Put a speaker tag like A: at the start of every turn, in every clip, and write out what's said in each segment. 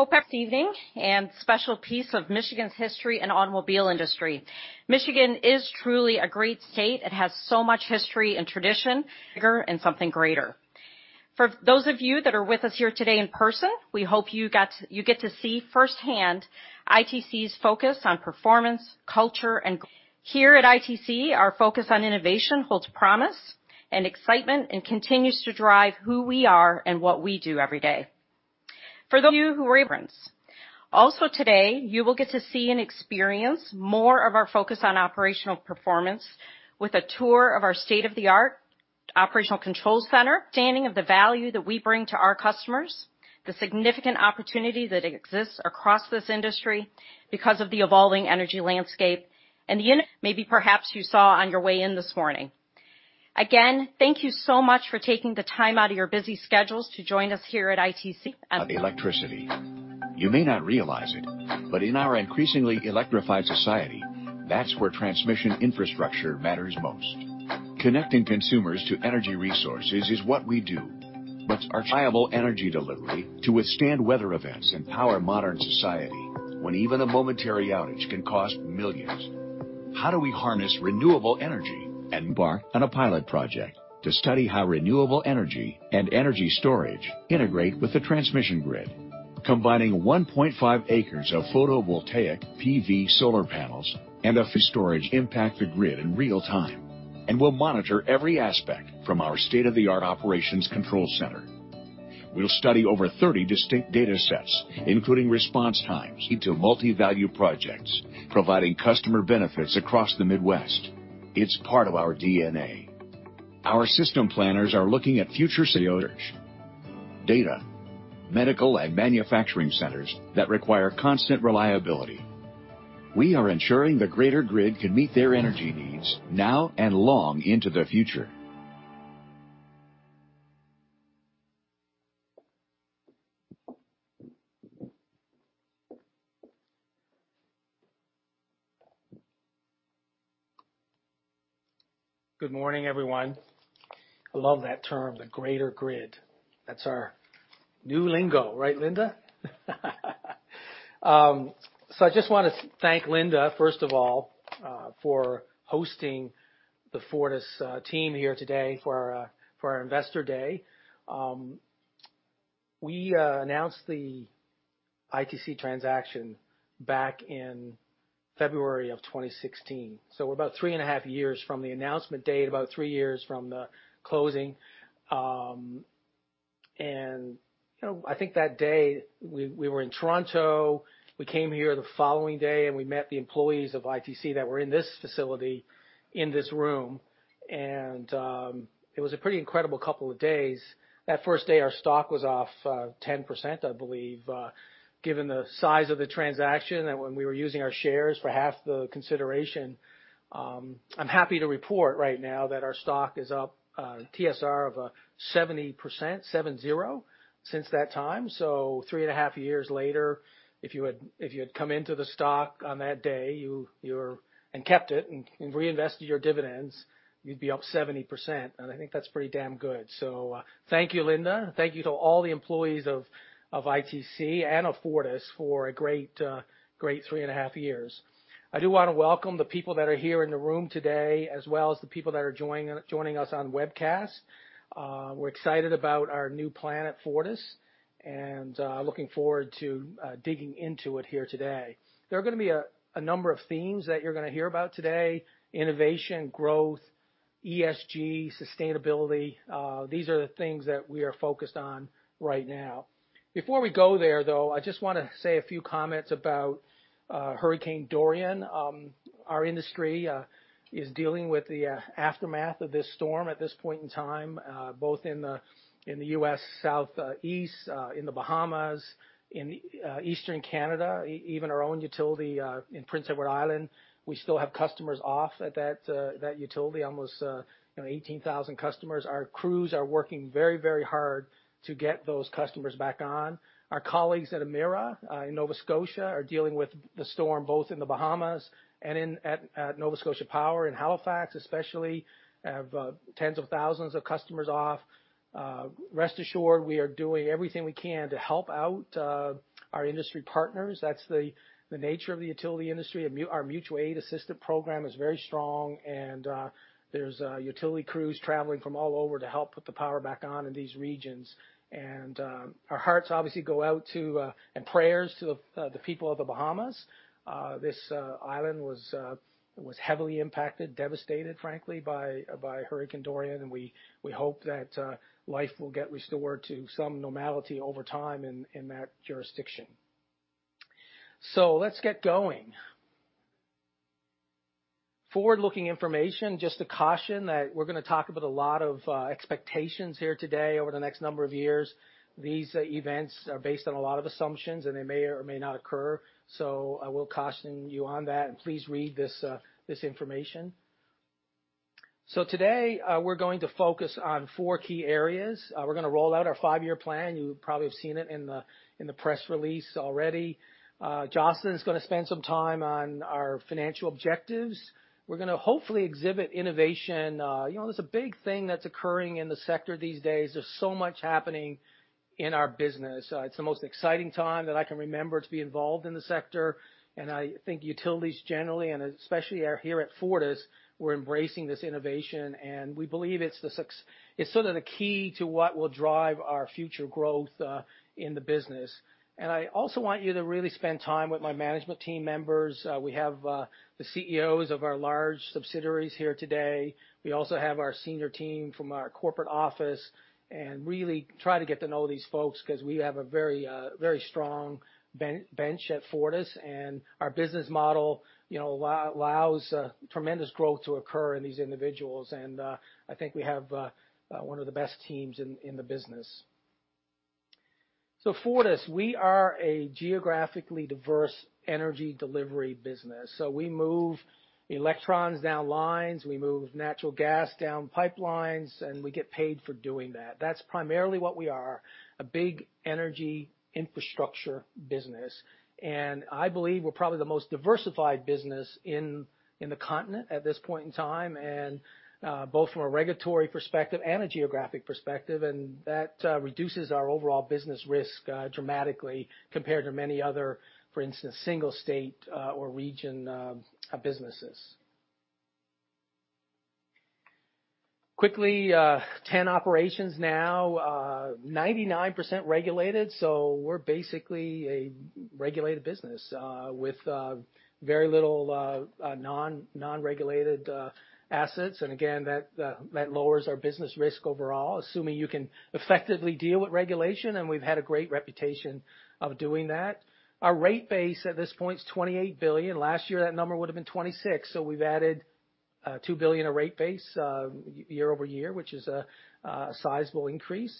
A: Hope evening and special piece of Michigan's history and automobile industry. Michigan is truly a great state. It has so much history and tradition and something greater. For those of you that are with us here today in person, we hope you get to see firsthand ITC's focus on performance, culture. Here at ITC, our focus on innovation holds promise and excitement and continues to drive who we are and what we do every day. Also today, you will get to see and experience more of our focus on operational performance with a tour of our state-of-the-art operational control center. Thank you so much for taking the time out of your busy schedules to join us here at ITC.
B: Of electricity. You may not realize it, but in our increasingly electrified society, that's where transmission infrastructure matters most. Connecting consumers to energy resources is what we do. Our reliable energy delivery to withstand weather events and power modern society, when even a momentary outage can cost millions. How do we harness renewable energy? We're on a pilot project to study how renewable energy and energy storage integrate with the transmission grid. Combining 1.5 acres of photovoltaic PV solar panels and a storage impact the grid in real time, and we'll monitor every aspect from our state-of-the-art operations control center. We'll study over 30 distinct datasets, including response times to multi-value projects, providing customer benefits across the Midwest. It's part of our DNA. Our system planners are looking at future outage data, medical and manufacturing centers that require constant reliability. We are ensuring the greater grid can meet their energy needs now and long into the future.
C: Good morning, everyone. I love that term, the greater grid. That's our new lingo, right, Linda? I just want to thank Linda, first of all, for hosting the Fortis team here today for our investor day. We announced the ITC transaction back in February of 2016. We're about three and a half years from the announcement date, about three years from the closing. I think that day we were in Toronto. We came here the following day, and we met the employees of ITC that were in this facility, in this room. It was a pretty incredible couple of days. That first day, our stock was off 10%, I believe given the size of the transaction and when we were using our shares for half the consideration. I'm happy to report right now that our stock is up TSR of 70%, seven-zero, since that time. Three and a half years later, if you had come into the stock on that day and kept it and reinvested your dividends, you'd be up 70%. I think that's pretty damn good. Thank you, Linda. Thank you to all the employees of ITC and of Fortis for a great three and a half years. I do want to welcome the people that are here in the room today, as well as the people that are joining us on webcast. We're excited about our new plan at Fortis and looking forward to digging into it here today. There are going to be a number of themes that you're going to hear about today. Innovation, growth, ESG, sustainability. These are the things that we are focused on right now. Before we go there, though, I just want to say a few comments about Hurricane Dorian. Our industry is dealing with the aftermath of this storm at this point in time, both in the U.S. Southeast, in the Bahamas, in Eastern Canada, even our own utility in Prince Edward Island. We still have customers off at that utility, almost 18,000 customers. Our crews are working very hard to get those customers back on. Our colleagues at Emera in Nova Scotia are dealing with the storm both in the Bahamas and at Nova Scotia Power in Halifax, especially, have tens of thousands of customers off. Rest assured, we are doing everything we can to help out our industry partners. That's the nature of the utility industry. There's utility crews traveling from all over to help put the power back on in these regions. Our hearts obviously go out to, and prayers to the people of the Bahamas. This island was heavily impacted, devastated, frankly, by Hurricane Dorian, and we hope that life will get restored to some normality over time in that jurisdiction. Let's get going. Forward-looking information, just a caution that we're going to talk about a lot of expectations here today over the next number of years. These events are based on a lot of assumptions, and they may or may not occur. I will caution you on that, and please read this information. Today, we're going to focus on four key areas. We're going to roll out our five-year plan. You probably have seen it in the press release already. Jocelyn is going to spend some time on our financial objectives. We're going to hopefully exhibit innovation. There's a big thing that's occurring in the sector these days. There's so much happening in our business. It's the most exciting time that I can remember to be involved in the sector, and I think utilities generally, and especially here at Fortis, we're embracing this innovation, and we believe it's sort of the key to what will drive our future growth in the business. I also want you to really spend time with my management team members. We have the CEOs of our large subsidiaries here today. We also have our senior team from our corporate office and really try to get to know these folks because we have a very strong bench at Fortis, and our business model allows tremendous growth to occur in these individuals. I think we have one of the best teams in the business. Fortis, we are a geographically diverse energy delivery business. We move electrons down lines, we move natural gas down pipelines, and we get paid for doing that. That's primarily what we are, a big energy infrastructure business. I believe we're probably the most diversified business in the continent at this point in time, both from a regulatory perspective and a geographic perspective. That reduces our overall business risk dramatically compared to many other, for instance, single state or region businesses. Quickly, 10 operations now, 99% regulated. We're basically a regulated business, with very little non-regulated assets. Again, that lowers our business risk overall, assuming you can effectively deal with regulation, and we've had a great reputation of doing that. Our rate base at this point is $28 billion. Last year, that number would have been $26 billion, so we've added $2 billion of rate base year-over-year, which is a sizable increase.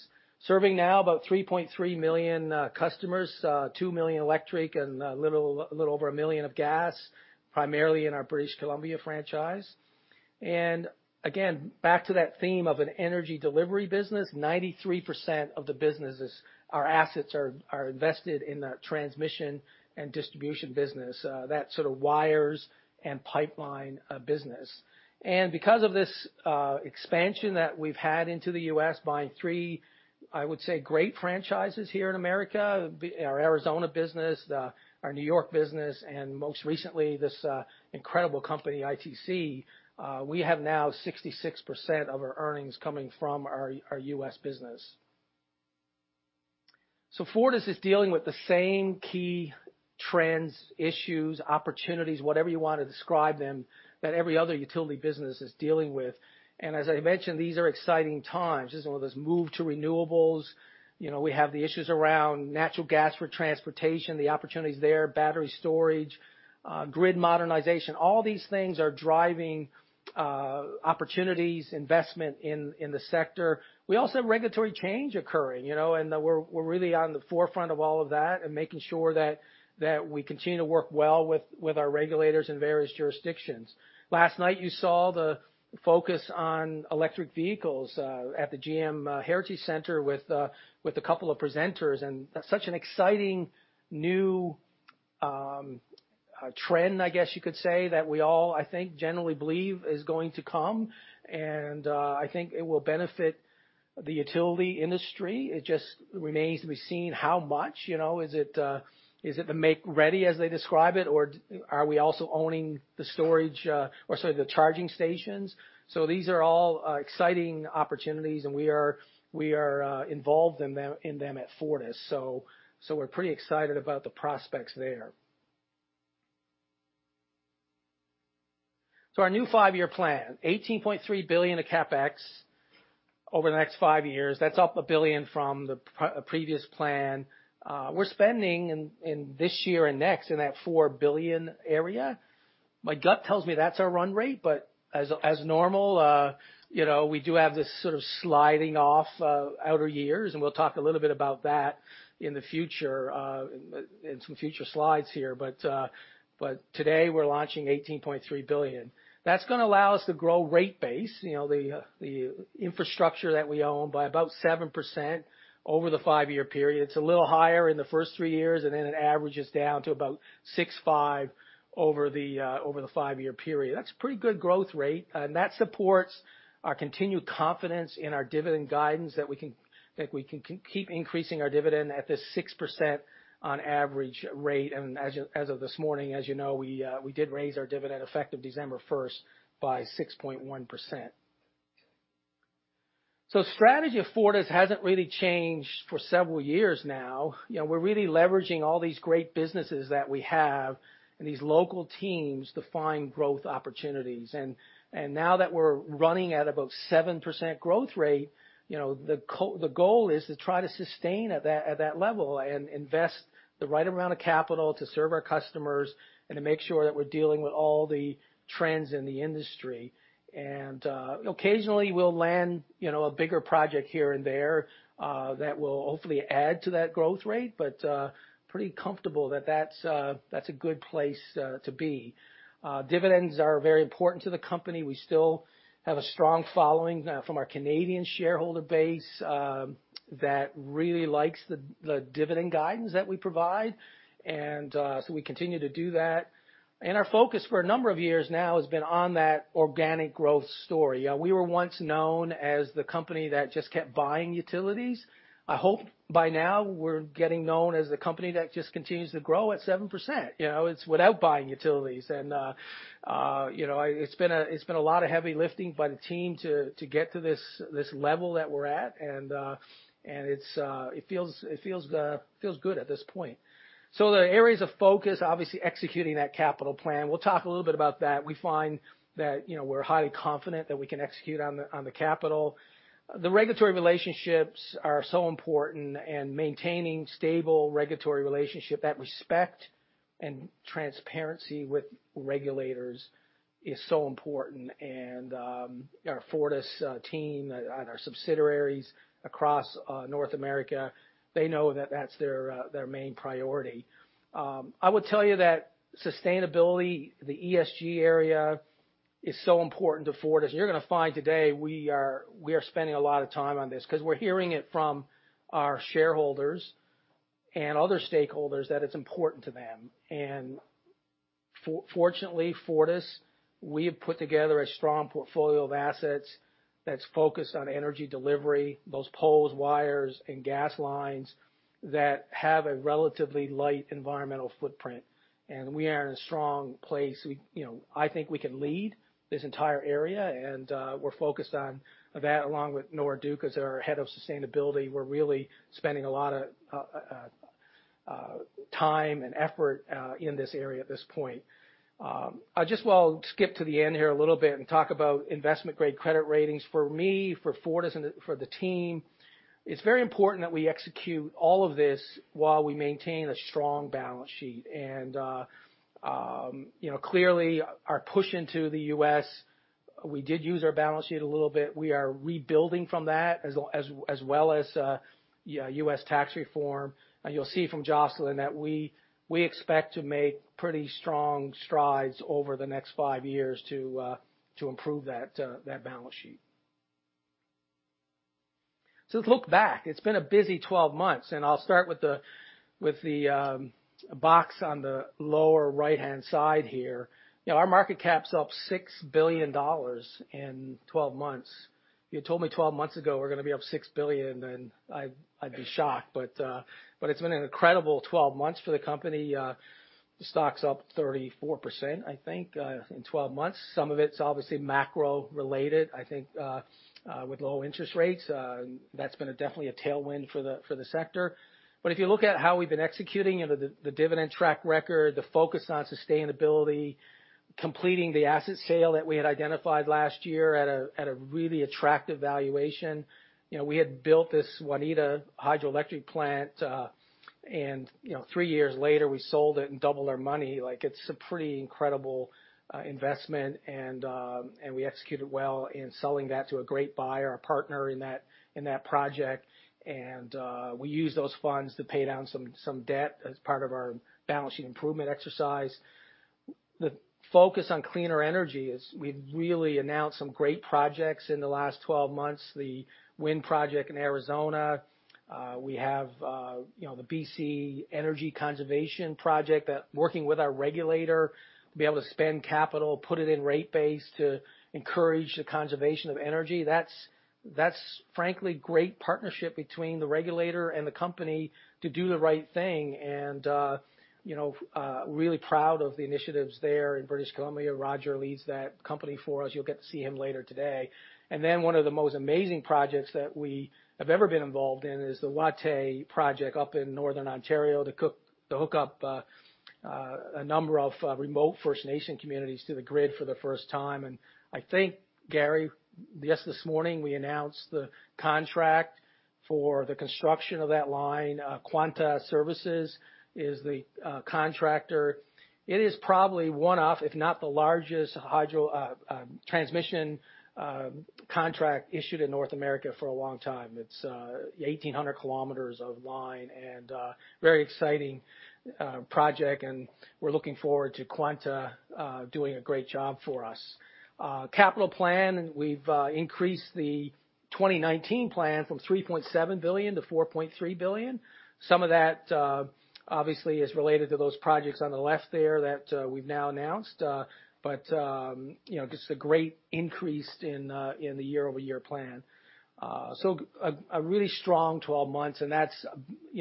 C: Serving now about 3.3 million customers, 2 million electric and a little over 1 million of gas, primarily in our British Columbia franchise. Again, back to that theme of an energy delivery business, 93% of the businesses, our assets are invested in the transmission and distribution business, that sort of wires and pipeline business. Because of this expansion that we've had into the U.S., buying 3, I would say, great franchises here in America, our Arizona business, our New York business, and most recently, this incredible company, ITC, we have now 66% of our earnings coming from our U.S. business. Fortis is dealing with the same key trends, issues, opportunities, whatever you want to describe them, that every other utility business is dealing with. As I mentioned, these are exciting times. This move to renewables. We have the issues around natural gas for transportation, the opportunities there, battery storage, grid modernization. All these things are driving opportunities, investment in the sector. We also have regulatory change occurring, and we're really on the forefront of all of that and making sure that we continue to work well with our regulators in various jurisdictions. Last night, you saw the focus on electric vehicles at the GM Heritage Center with a couple of presenters, and that's such an exciting new trend, I guess you could say, that we all, I think, generally believe is going to come, and I think it will benefit the utility industry. It just remains to be seen how much. Is it the make ready as they describe it, or are we also owning the charging stations? These are all exciting opportunities, and we are involved in them at Fortis. We're pretty excited about the prospects there. Our new five-year plan, 18.3 billion of CapEx over the next five years. That's up 1 billion from the previous plan. We're spending in this year and next in that 4 billion area. My gut tells me that's our run rate, but as normal, we do have this sort of sliding off outer years, and we'll talk a little bit about that in some future slides here. Today, we're launching 18.3 billion. That's going to allow us to grow rate base, the infrastructure that we own, by about 7% over the five-year period. It's a little higher in the first three years, and then it averages down to about 6.5% over the five-year period. That's a pretty good growth rate, that supports our continued confidence in our dividend guidance that we can keep increasing our dividend at this 6% on average rate. As of this morning, as you know, we did raise our dividend effective December 1st by 6.1%. The strategy of Fortis hasn't really changed for several years now. We're really leveraging all these great businesses that we have and these local teams to find growth opportunities. Now that we're running at about 7% growth rate, the goal is to try to sustain at that level and invest the right amount of capital to serve our customers and to make sure that we're dealing with all the trends in the industry. Occasionally, we'll land a bigger project here and there that will hopefully add to that growth rate. Pretty comfortable that that's a good place to be. Dividends are very important to the company. We still have a strong following from our Canadian shareholder base that really likes the dividend guidance that we provide. We continue to do that. Our focus for a number of years now has been on that organic growth story. We were once known as the company that just kept buying utilities. I hope by now we're getting known as the company that just continues to grow at 7%, without buying utilities. It's been a lot of heavy lifting by the team to get to this level that we're at, and it feels good at this point. The areas of focus, obviously executing that capital plan. We'll talk a little bit about that. We find that we're highly confident that we can execute on the capital. The regulatory relationships are so important, and maintaining stable regulatory relationship, that respect and transparency with regulators is so important. Our Fortis team and our subsidiaries across North America, they know that that's their main priority. I would tell you that sustainability, the ESG area, is so important to Fortis. You're going to find today we are spending a lot of time on this because we're hearing it from our shareholders and other stakeholders that it's important to them. Fortunately, Fortis, we have put together a strong portfolio of assets that's focused on energy delivery, those poles, wires, and gas lines that have a relatively light environmental footprint. We are in a strong place. I think we can lead this entire area, and we're focused on that, along with Nora Duke, as our head of sustainability. We're really spending a lot of time and effort in this area at this point. I just will skip to the end here a little bit and talk about investment-grade credit ratings. For me, for Fortis, and for the team, it's very important that we execute all of this while we maintain a strong balance sheet. Clearly, our push into the U.S., we did use our balance sheet a little bit. We are rebuilding from that, as well as U.S. tax reform. You'll see from Jocelyn that we expect to make pretty strong strides over the next five years to improve that balance sheet. Let's look back. It's been a busy 12 months, and I'll start with the box on the lower right-hand side here. Our market cap's up 6 billion dollars in 12 months. If you had told me 12 months ago we're going to be up 6 billion, then I'd be shocked. It's been an incredible 12 months for the company. The stock's up 34%, I think, in 12 months. Some of it's obviously macro-related. I think with low interest rates, that's been definitely a tailwind for the sector. If you look at how we've been executing, the dividend track record, the focus on sustainability, completing the asset sale that we had identified last year at a really attractive valuation. We had built this Waneta hydroelectric plant, and three years later, we sold it and doubled our money. It's a pretty incredible investment, and we executed well in selling that to a great buyer, our partner in that project. We used those funds to pay down some debt as part of our balance sheet improvement exercise. The focus on cleaner energy is we've really announced some great projects in the last 12 months, the wind project in Arizona. We have the Energy Conservation Assistance Program that, working with our regulator, will be able to spend capital, put it in rate base to encourage the conservation of energy. That's frankly great partnership between the regulator and the company to do the right thing. Really proud of the initiatives there in British Columbia. Roger leads that company for us. You'll get to see him later today. Then one of the most amazing projects that we have ever been involved in is the Watay project up in northern Ontario to hook up a number of remote First Nation communities to the grid for the first time. I think, Gary, just this morning, we announced the contract for the construction of that line. Quanta Services is the contractor. It is probably one of, if not the largest, hydro transmission contract issued in North America for a long time. It's 1,800 km of line and a very exciting project, and we're looking forward to Quanta doing a great job for us. Capital plan, we've increased the 2019 plan from 3.7 billion to 4.3 billion. Some of that obviously is related to those projects on the left there that we've now announced. Just a great increase in the year-over-year plan. A really strong 12 months, and that's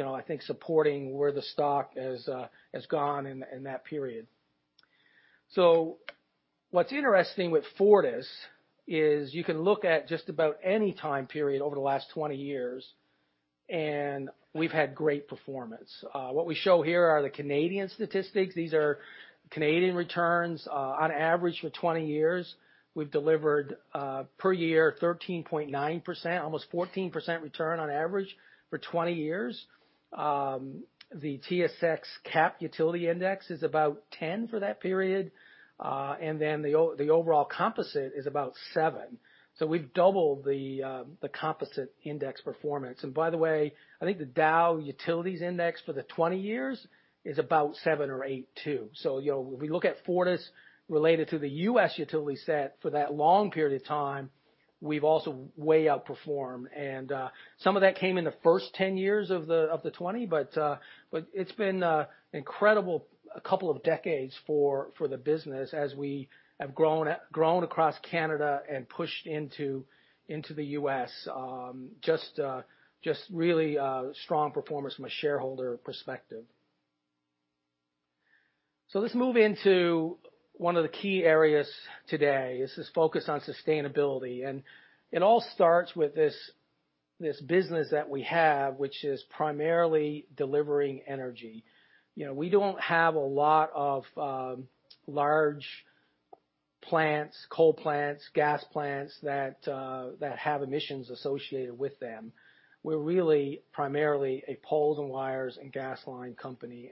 C: I think supporting where the stock has gone in that period. What's interesting with Fortis is you can look at just about any time period over the last 20 years, and we've had great performance. What we show here are the Canadian statistics. These are Canadian returns. On average for 20 years, we've delivered, per year, 13.9%, almost 14% return on average for 20 years. The TSX Cap Utility Index is about 10 for that period. The overall composite is about seven. We've doubled the composite index performance. By the way, I think the Dow Jones Utility Average for the 20 years is about seven or eight too. When we look at Fortis related to the U.S. utility set for that long period of time, we've also way outperformed. Some of that came in the first 10 years of the 20, but it's been incredible couple of decades for the business as we have grown across Canada and pushed into the U.S. Just really strong performance from a shareholder perspective. Let's move into one of the key areas today. This is focused on sustainability, and it all starts with this business that we have, which is primarily delivering energy. We don't have a lot of large plants, coal plants, gas plants, that have emissions associated with them. We're really primarily a poles and wires and gas line company.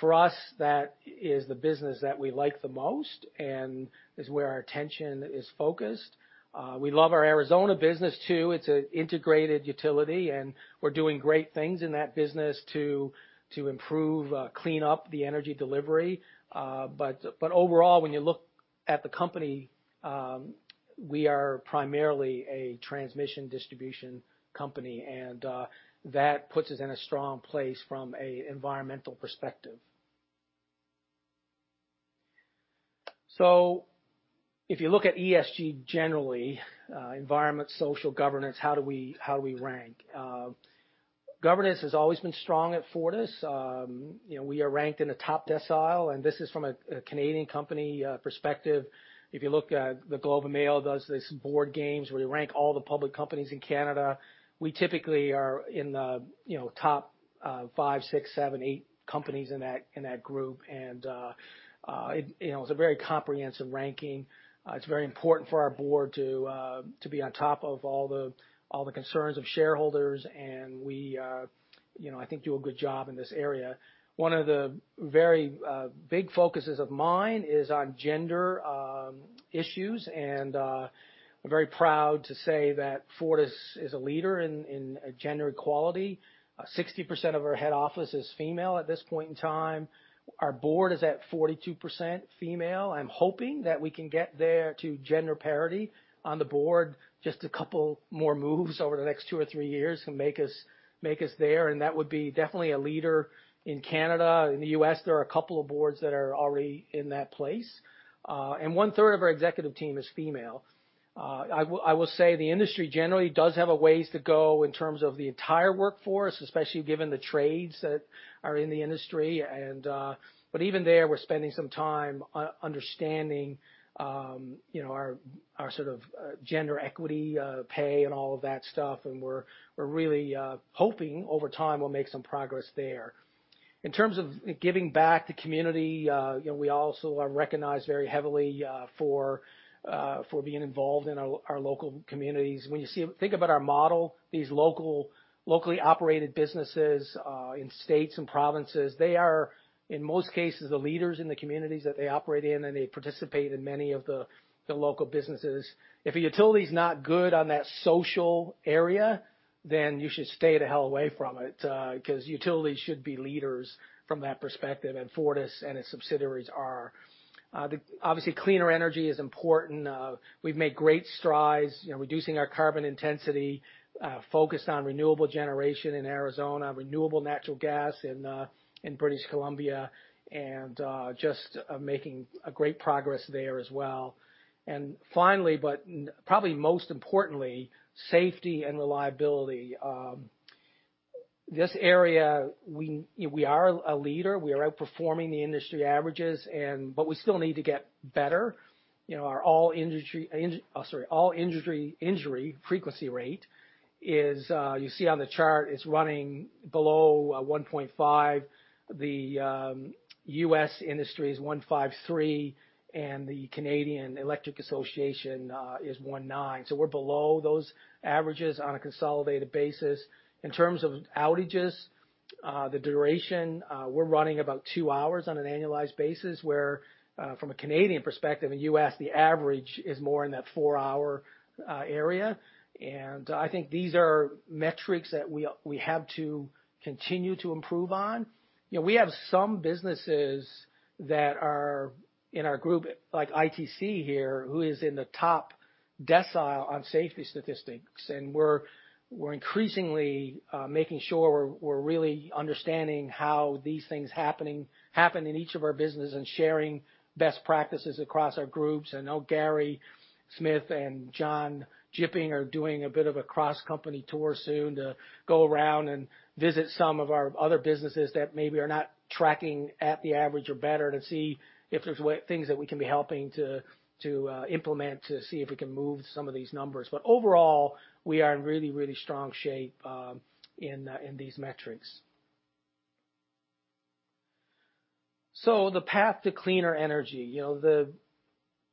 C: For us, that is the business that we like the most and is where our attention is focused. We love our Arizona business too. It's an integrated utility, and we're doing great things in that business to improve, clean up the energy delivery. Overall, when you look at the company, we are primarily a transmission distribution company, and that puts us in a strong place from an environmental perspective. If you look at ESG generally, environment, social, governance, how do we rank? Governance has always been strong at Fortis. We are ranked in the top decile. This is from a Canadian company perspective. If you look, The Globe and Mail does these board games where they rank all the public companies in Canada. We typically are in the top five, six, seven, eight companies in that group. It's a very comprehensive ranking. It's very important for our board to be on top of all the concerns of shareholders, and we, I think, do a good job in this area. One of the very big focuses of mine is on gender issues, and I'm very proud to say that Fortis is a leader in gender equality. 60% of our head office is female at this point in time. Our board is at 42% female. I'm hoping that we can get there to gender parity on the board, just a couple more moves over the next two or three years can make us there, and that would be definitely a leader in Canada. In the U.S., there are a couple of boards that are already in that place. One-third of our executive team is female. I will say the industry generally does have a ways to go in terms of the entire workforce, especially given the trades that are in the industry. Even there, we're spending some time understanding our sort of gender equity pay and all of that stuff, and we're really hoping over time we'll make some progress there. In terms of giving back to community, we also are recognized very heavily for being involved in our local communities. When you think about our model, these locally operated businesses, in states and provinces, they are, in most cases, the leaders in the communities that they operate in, and they participate in many of the local businesses. If a utility's not good on that social area, you should stay the hell away from it, because utilities should be leaders from that perspective, and Fortis and its subsidiaries are. Cleaner energy is important. We've made great strides reducing our carbon intensity, focused on renewable generation in Arizona, renewable natural gas in British Columbia, and just making a great progress there as well. Finally, but probably most importantly, safety and reliability. This area, we are a leader. We are outperforming the industry averages, but we still need to get better. Our all injury frequency rate is, you see on the chart, is running below 1.5. The U.S. industry is 1.53, the Canadian Electricity Association is 1.9, so we're below those averages on a consolidated basis. In terms of outages, the duration, we're running about two hours on an annualized basis, where, from a Canadian perspective, in the U.S., the average is more in that four-hour area. I think these are metrics that we have to continue to improve on. We have some businesses that are in our group, like ITC here, who is in the top decile on safety statistics. We're increasingly making sure we're really understanding how these things happen in each of our business and sharing best practices across our groups. I know Gary Smith and Jon Jipping are doing a bit of a cross-company tour soon to go around and visit some of our other businesses that maybe are not tracking at the average or better to see if there's things that we can be helping to implement to see if we can move some of these numbers. Overall, we are in really, really strong shape in these metrics. The path to cleaner energy.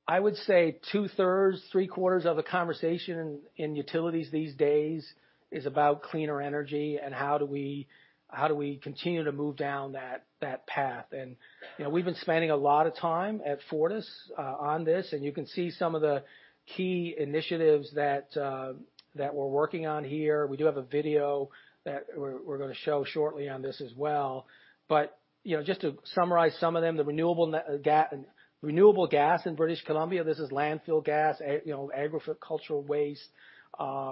C: I would say two-thirds, three-quarters of the conversation in utilities these days is about cleaner energy and how do we continue to move down that path. We've been spending a lot of time at Fortis on this, and you can see some of the key initiatives that we're working on here. We do have a video that we're going to show shortly on this as well. Just to summarize some of them, the renewable gas in British Columbia, this is landfill gas, agricultural waste.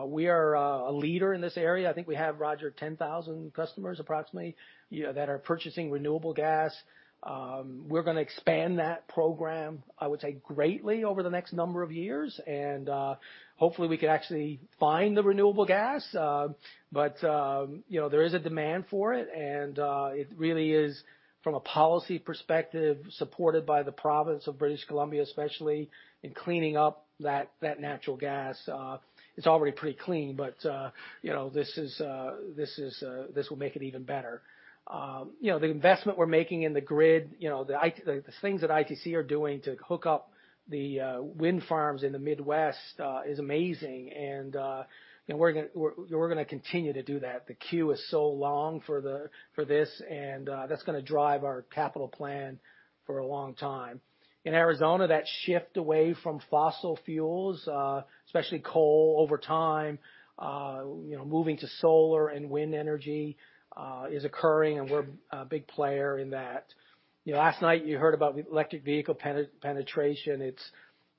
C: We are a leader in this area. I think we have, Roger, 10,000 customers approximately that are purchasing renewable gas. We're going to expand that program, I would say, greatly over the next number of years. Hopefully, we can actually find the renewable gas. There is a demand for it, and it really is, from a policy perspective, supported by the province of British Columbia, especially in cleaning up that natural gas. It's already pretty clean, this will make it even better. The investment we're making in the grid, the things that ITC are doing to hook up the wind farms in the Midwest is amazing. We're going to continue to do that. The queue is so long for this. That's going to drive our capital plan for a long time. In Arizona, that shift away from fossil fuels, especially coal, over time, moving to solar and wind energy is occurring, and we're a big player in that. Last night, you heard about electric vehicle penetration.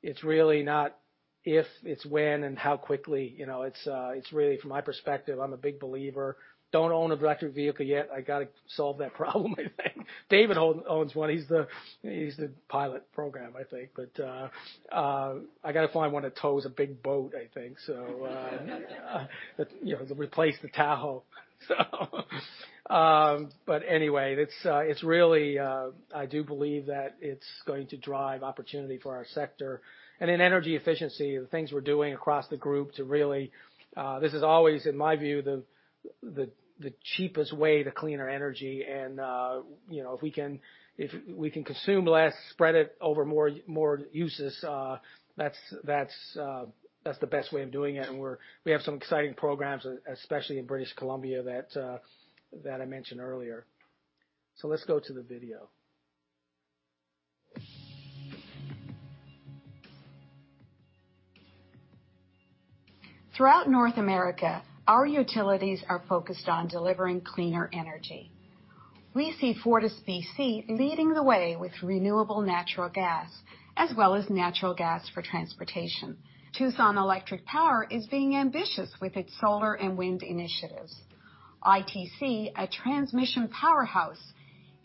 C: It's really not if, it's when and how quickly. It's really, from my perspective, I'm a big believer. Don't own an electric vehicle yet. I got to solve that problem, I think. David owns one. He's the pilot program, I think. I got to find one that tows a big boat, I think, to replace the Tahoe. Anyway, I do believe that it's going to drive opportunity for our sector. In energy efficiency, the things we're doing across the group, this is always, in my view, the cheapest way to cleaner energy. If we can consume less, spread it over more uses, that's the best way of doing it, and we have some exciting programs, especially in British Columbia that I mentioned earlier. Let's go to the video. Throughout North America, our utilities are focused on delivering cleaner energy. We see FortisBC leading the way with renewable natural gas, as well as natural gas for transportation. Tucson Electric Power is being ambitious with its solar and wind initiatives. ITC, a transmission powerhouse,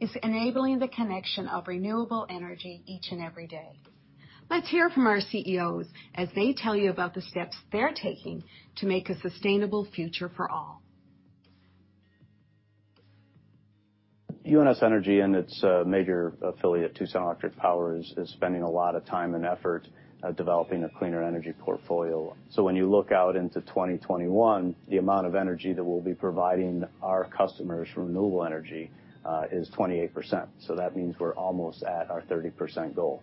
C: is enabling the connection of renewable energy each and every day. Let's hear from our CEOs as they tell you about the steps they're taking to make a sustainable future for all.
D: UNS Energy and its major affiliate, Tucson Electric Power, is spending a lot of time and effort developing a cleaner energy portfolio. When you look out into 2021, the amount of energy that we'll be providing our customers from renewable energy is 28%. That means we're almost at our 30% goal.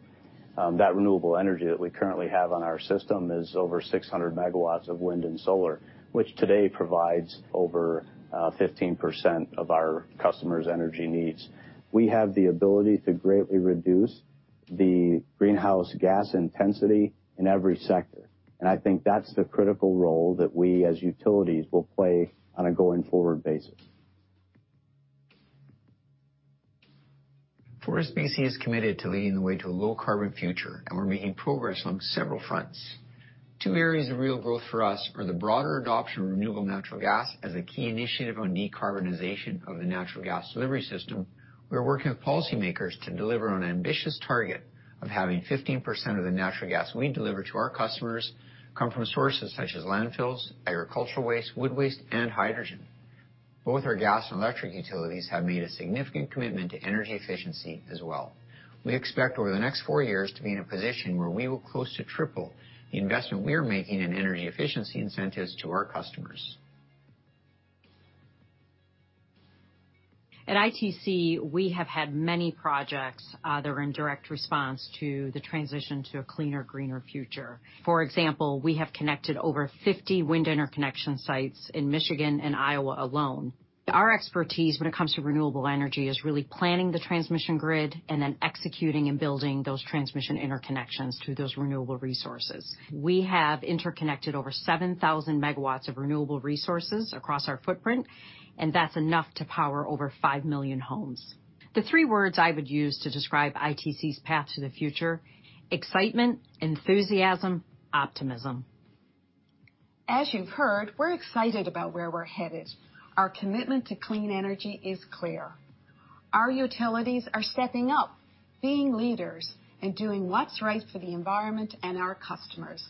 D: That renewable energy that we currently have on our system is over 600 megawatts of wind and solar, which today provides over 15% of our customers' energy needs. We have the ability to greatly reduce the greenhouse gas intensity in every sector, and I think that's the critical role that we, as utilities, will play on a going-forward basis.
E: FortisBC is committed to leading the way to a low-carbon future. We're making progress on several fronts. Two areas of real growth for us are the broader adoption of renewable natural gas as a key initiative on decarbonization of the natural gas delivery system. We're working with policymakers to deliver on an ambitious target of having 15% of the natural gas we deliver to our customers come from sources such as landfills, agricultural waste, wood waste, and hydrogen. Both our gas and electric utilities have made a significant commitment to energy efficiency as well. We expect over the next four years to be in a position where we will close to triple the investment we are making in energy efficiency incentives to our customers.
A: At ITC, we have had many projects that are in direct response to the transition to a cleaner, greener future. For example, we have connected over 50 wind interconnection sites in Michigan and Iowa alone. Our expertise when it comes to renewable energy is really planning the transmission grid and then executing and building those transmission interconnections to those renewable resources. We have interconnected over 7,000 megawatts of renewable resources across our footprint, and that's enough to power over 5 million homes. The three words I would use to describe ITC's path to the future: excitement, enthusiasm, optimism.
C: As you've heard, we're excited about where we're headed. Our commitment to clean energy is clear. Our utilities are stepping up, being leaders, and doing what's right for the environment and our customers.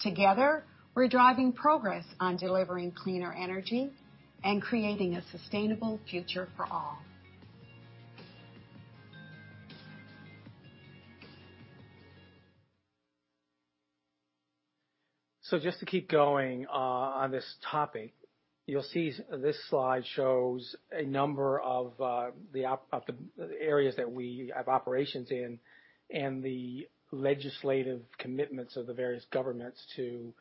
C: Together, we're driving progress on delivering cleaner energy and creating a sustainable future for all. Just to keep going on this topic, you'll see this slide shows a number of the areas that we have operations in and the legislative commitments of the various governments to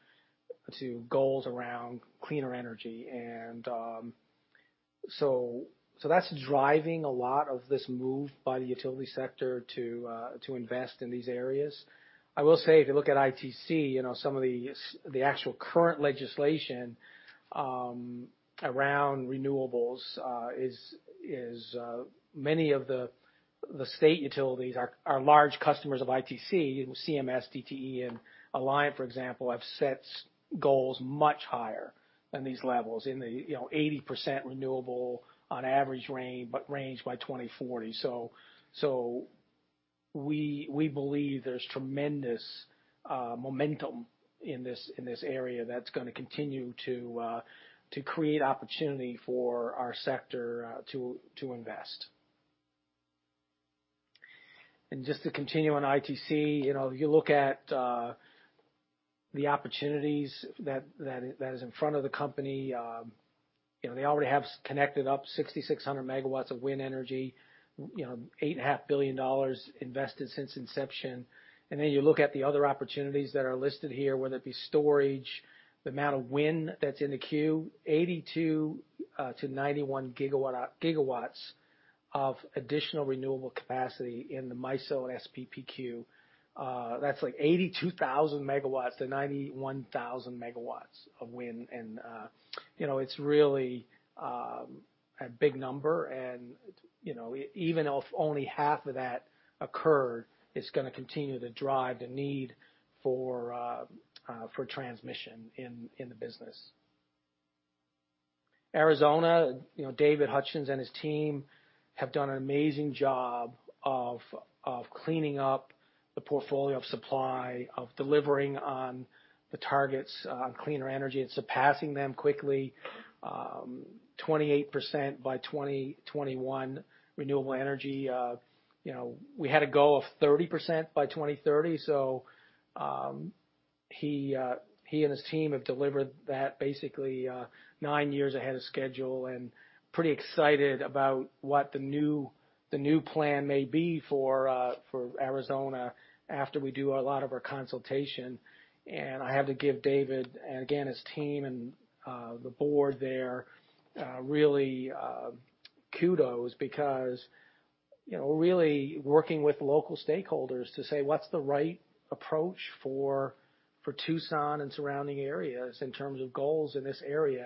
C: goals around cleaner energy. That's driving a lot of this move by the utility sector to invest in these areas. I will say, if you look at ITC, some of the actual current legislation around renewables is many of the state utilities are large customers of ITC, CMS, DTE, and Alliant, for example, have set goals much higher than these levels in the 80% renewable on average range by 2040. We believe there's tremendous momentum in this area that's going to continue to create opportunity for our sector to invest. Just to continue on ITC, if you look at the opportunities that is in front of the company, they already have connected up 6,600 megawatts of wind energy, $8.5 billion invested since inception. You look at the other opportunities that are listed here, whether it be storage, the amount of wind that's in the queue, 82-91 gigawatts of additional renewable capacity in the MISO and SPP queue. That's like 82,000 MW-91,000 MW of wind, and it's really a big number, and even if only half of that occurred, it's going to continue to drive the need for transmission in the business. Arizona, David Hutchens and his team have done an amazing job of cleaning up the portfolio of supply, of delivering on the targets on cleaner energy, and surpassing them quickly, 28% by 2021 renewable energy. We had a goal of 30% by 2030. He and his team have delivered that basically nine years ahead of schedule, and pretty excited about what the new plan may be for Arizona after we do a lot of our consultation. I have to give David, and again, his team and the board there, really kudos because really working with local stakeholders to say what's the right approach for Tucson and surrounding areas in terms of goals in this area.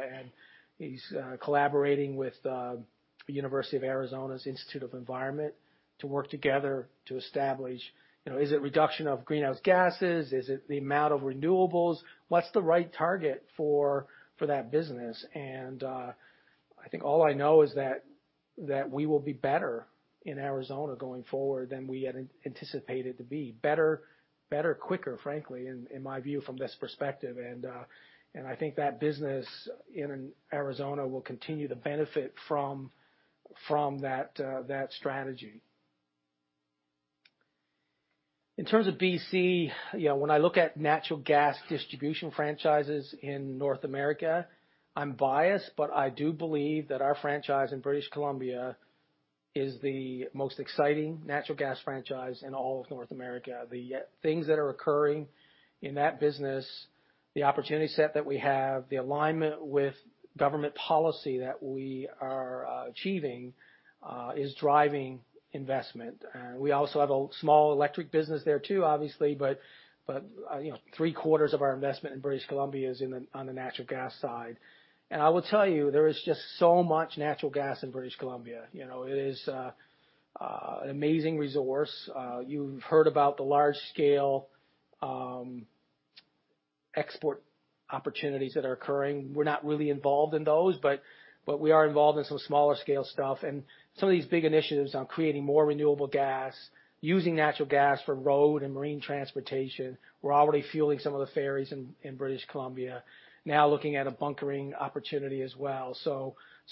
C: He's collaborating with the University of Arizona's Institute of the Environment to work together to establish, is it reduction of greenhouse gases? Is it the amount of renewables? What's the right target for that business? I think all I know is that we will be better in Arizona going forward than we had anticipated to be. Better quicker, frankly, in my view, from this perspective. I think that business in Arizona will continue to benefit from that strategy. In terms of BC, when I look at natural gas distribution franchises in North America, I'm biased, but I do believe that our franchise in British Columbia is the most exciting natural gas franchise in all of North America. The things that are occurring in that business, the opportunity set that we have, the alignment with government policy that we are achieving, is driving investment. We also have a small electric business there too, obviously, but three-quarters of our investment in British Columbia is on the natural gas side. I will tell you, there is just so much natural gas in British Columbia. It is an amazing resource. You've heard about the large-scale export opportunities that are occurring. We're not really involved in those, but we are involved in some smaller-scale stuff. Some of these big initiatives on creating more renewable gas, using natural gas for road and marine transportation. We're already fueling some of the ferries in British Columbia, now looking at a bunkering opportunity as well.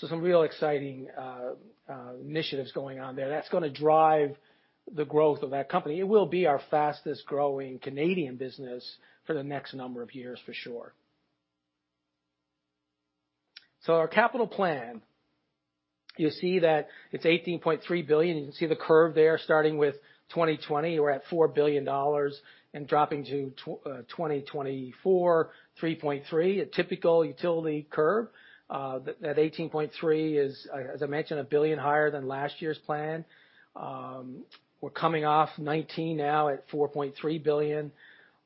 C: Some real exciting initiatives going on there. That's going to drive the growth of that company. It will be our fastest-growing Canadian business for the next number of years, for sure. Our capital plan, you'll see that it's 18.3 billion. You can see the curve there starting with 2020. We're at 4 billion dollars and dropping to 2024, 3.3 billion, a typical utility curve. That 18.3 billion is, as I mentioned, 1 billion higher than last year's plan. We're coming off 2019 now at 4.3 billion.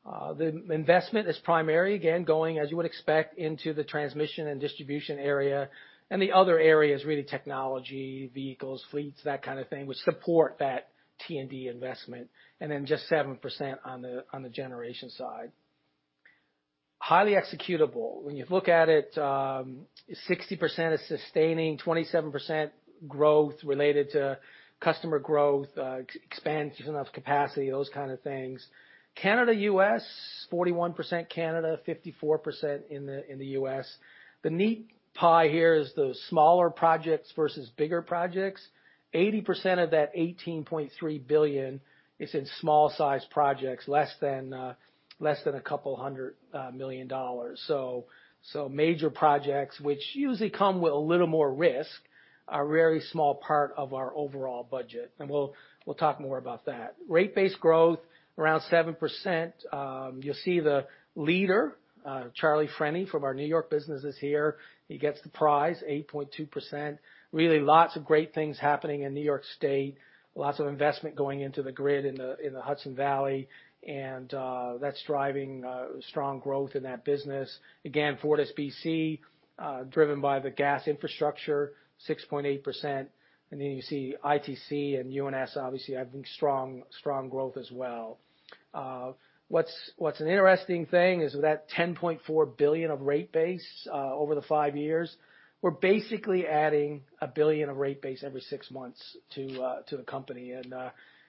C: The investment is primarily, again, going, as you would expect, into the transmission and distribution area. The other area is really technology, vehicles, fleets, that kind of thing, which support that T&D investment. Then just 7% on the generation side. Highly executable. When you look at it, 60% is sustaining, 27% growth related to customer growth, expansion of capacity, those kind of things. Canada, U.S., 41% Canada, 54% in the U.S. The neat pie here is the smaller projects versus bigger projects. 80% of that $18.3 billion is in small-sized projects, less than a couple hundred million dollars. Major projects, which usually come with a little more risk, are a very small part of our overall budget, and we'll talk more about that. Rate base growth, around 7%. You'll see the leader, Charles Freni from our New York business, is here. He gets the prize, 8.2%. Really lots of great things happening in New York State, lots of investment going into the grid in the Hudson Valley, that's driving strong growth in that business. FortisBC, driven by the gas infrastructure, 6.8%. You see ITC and UNS obviously having strong growth as well. What's an interesting thing is that 10.4 billion of rate base over the five years, we're basically adding 1 billion of rate base every six months to the company.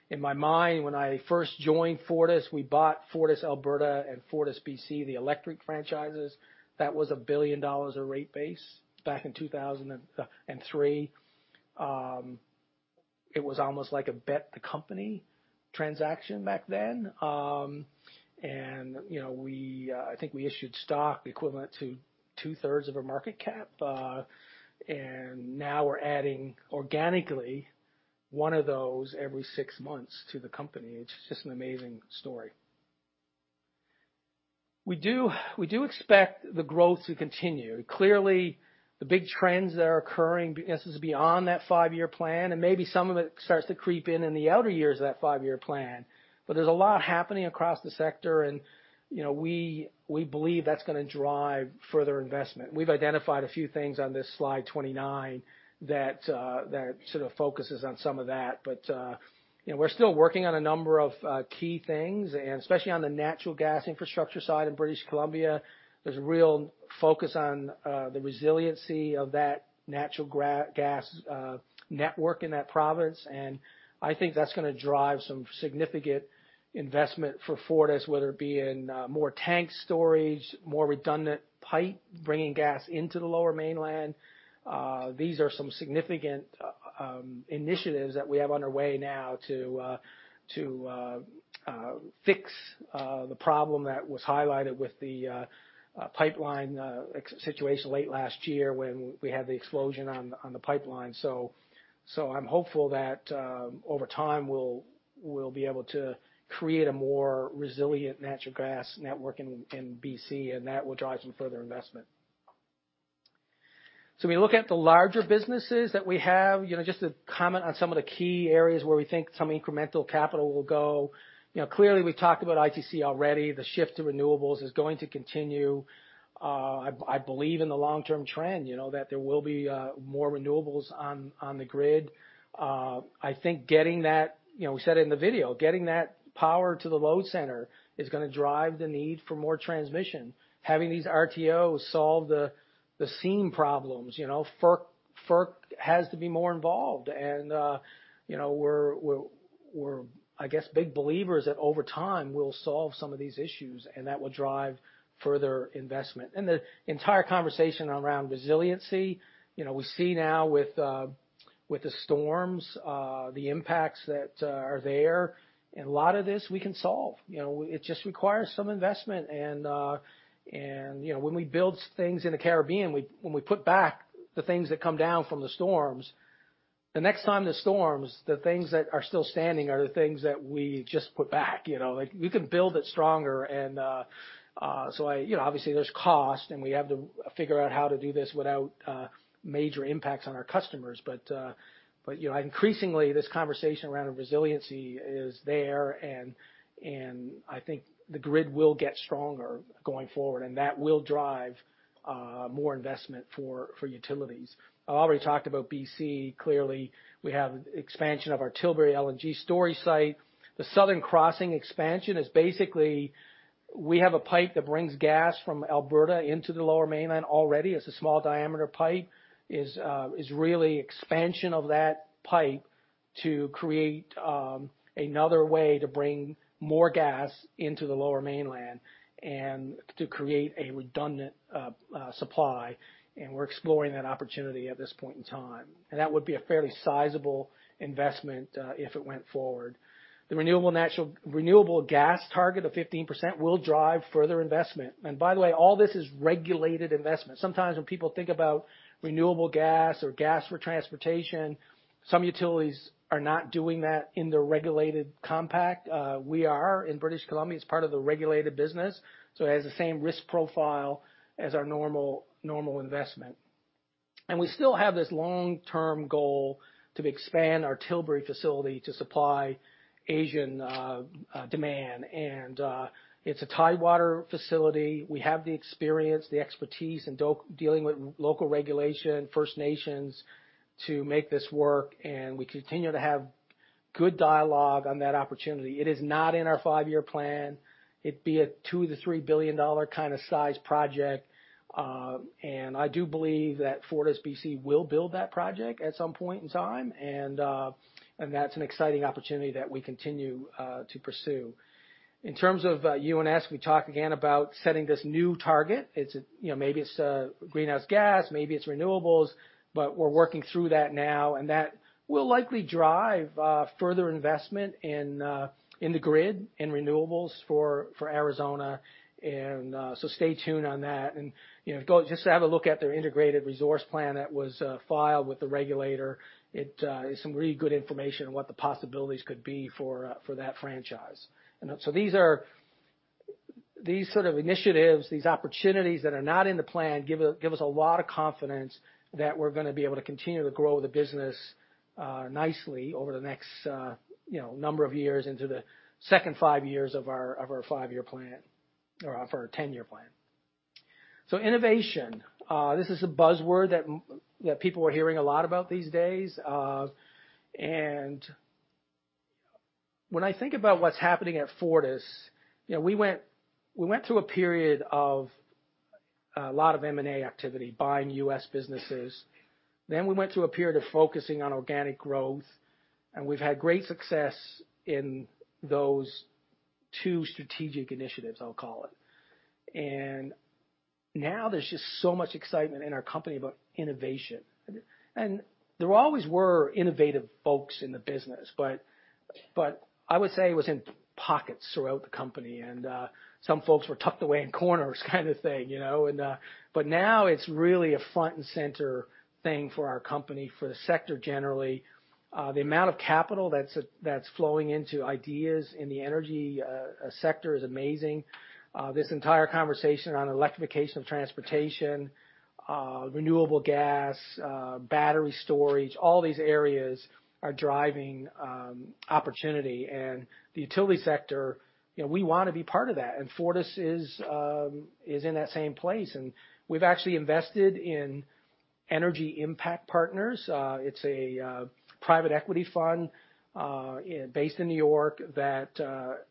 C: In my mind, when I first joined Fortis, we bought FortisAlberta and FortisBC, the electric franchises. That was 1 billion dollars of rate base back in 2003. It was almost like a bet-the-company transaction back then. I think we issued stock equivalent to two-thirds of a market cap. Now we're adding organically one of those every six months to the company. It's just an amazing story. We do expect the growth to continue. Clearly, the big trends that are occurring is beyond that five-year plan, and maybe some of it starts to creep in in the outer years of that five-year plan. There's a lot happening across the sector, and we believe that's going to drive further investment. We've identified a few things on this slide 29 that sort of focuses on some of that. We're still working on a number of key things, and especially on the natural gas infrastructure side in British Columbia. There's a real focus on the resiliency of that natural gas network in that province, and I think that's going to drive some significant investment for Fortis, whether it be in more tank storage, more redundant pipe, bringing gas into the Lower Mainland. These are some significant initiatives that we have underway now to fix the problem that was highlighted with the pipeline situation late last year when we had the explosion on the pipeline. I'm hopeful that over time, we'll be able to create a more resilient natural gas network in BC, and that will drive some further investment. We look at the larger businesses that we have, just to comment on some of the key areas where we think some incremental capital will go. Clearly, we've talked about ITC already. The shift to renewables is going to continue. I believe in the long-term trend, that there will be more renewables on the grid. We said it in the video, getting that power to the load center is going to drive the need for more transmission. Having these RTOs solve the seam problems. FERC has to be more involved, and we're, I guess, big believers that over time we'll solve some of these issues, and that will drive further investment. The entire conversation around resiliency, we see now with the storms, the impacts that are there, and a lot of this we can solve. It just requires some investment, and when we build things in the Caribbean, when we put back the things that come down from the storms, the next time the storms, the things that are still standing are the things that we just put back. We can build it stronger. Obviously, there's cost, and we have to figure out how to do this without major impacts on our customers. Increasingly, this conversation around resiliency is there, and I think the grid will get stronger going forward, and that will drive more investment for utilities. I already talked about BC. Clearly, we have expansion of our Tilbury LNG storage site. The Southern Crossing expansion is basically, we have a pipe that brings gas from Alberta into the Lower Mainland already. It's a small-diameter pipe. Is really expansion of that pipe to create another way to bring more gas into the Lower Mainland and to create a redundant supply. We're exploring that opportunity at this point in time. That would be a fairly sizable investment if it went forward. The renewable gas target of 15% will drive further investment. By the way, all this is regulated investment. Sometimes when people think about renewable gas or gas for transportation, some utilities are not doing that in the regulated compact. We are in British Columbia. It's part of the regulated business, so it has the same risk profile as our normal investment. We still have this long-term goal to expand our Tilbury facility to supply Asian demand. It's a tidewater facility. We have the experience, the expertise in dealing with local regulation, First Nations, to make this work, and we continue to have good dialogue on that opportunity. It is not in our five-year plan. It would be a 2 billion-3 billion dollar kind of size project. I do believe that FortisBC will build that project at some point in time, and that's an exciting opportunity that we continue to pursue. In terms of UNS, we talk again about setting this new target. Maybe it's greenhouse gas, maybe it's renewables, but we're working through that now, and that will likely drive further investment in the grid, in renewables for Arizona. Stay tuned on that. Go just have a look at their integrated resource plan that was filed with the regulator. It is some really good information on what the possibilities could be for that franchise. These sort of initiatives, these opportunities that are not in the plan, give us a lot of confidence that we're going to be able to continue to grow the business nicely over the next number of years into the second five years of our five-year plan or of our 10-year plan. Innovation. This is a buzzword that people are hearing a lot about these days. When I think about what's happening at Fortis, we went through a period of a lot of M&A activity, buying U.S. businesses. We went through a period of focusing on organic growth, and we've had great success in those two strategic initiatives, I'll call it. Now there's just so much excitement in our company about innovation. There always were innovative folks in the business, but I would say it was in pockets throughout the company, and some folks were tucked away in corners kind of thing. Now it's really a front and center thing for our company, for the sector generally. The amount of capital that's flowing into ideas in the energy sector is amazing. This entire conversation on electrification of transportation, renewable gas, battery storage, all these areas are driving opportunity. The utility sector, we want to be part of that. Fortis is in that same place. We've actually invested in Energy Impact Partners. It's a private equity fund based in New York that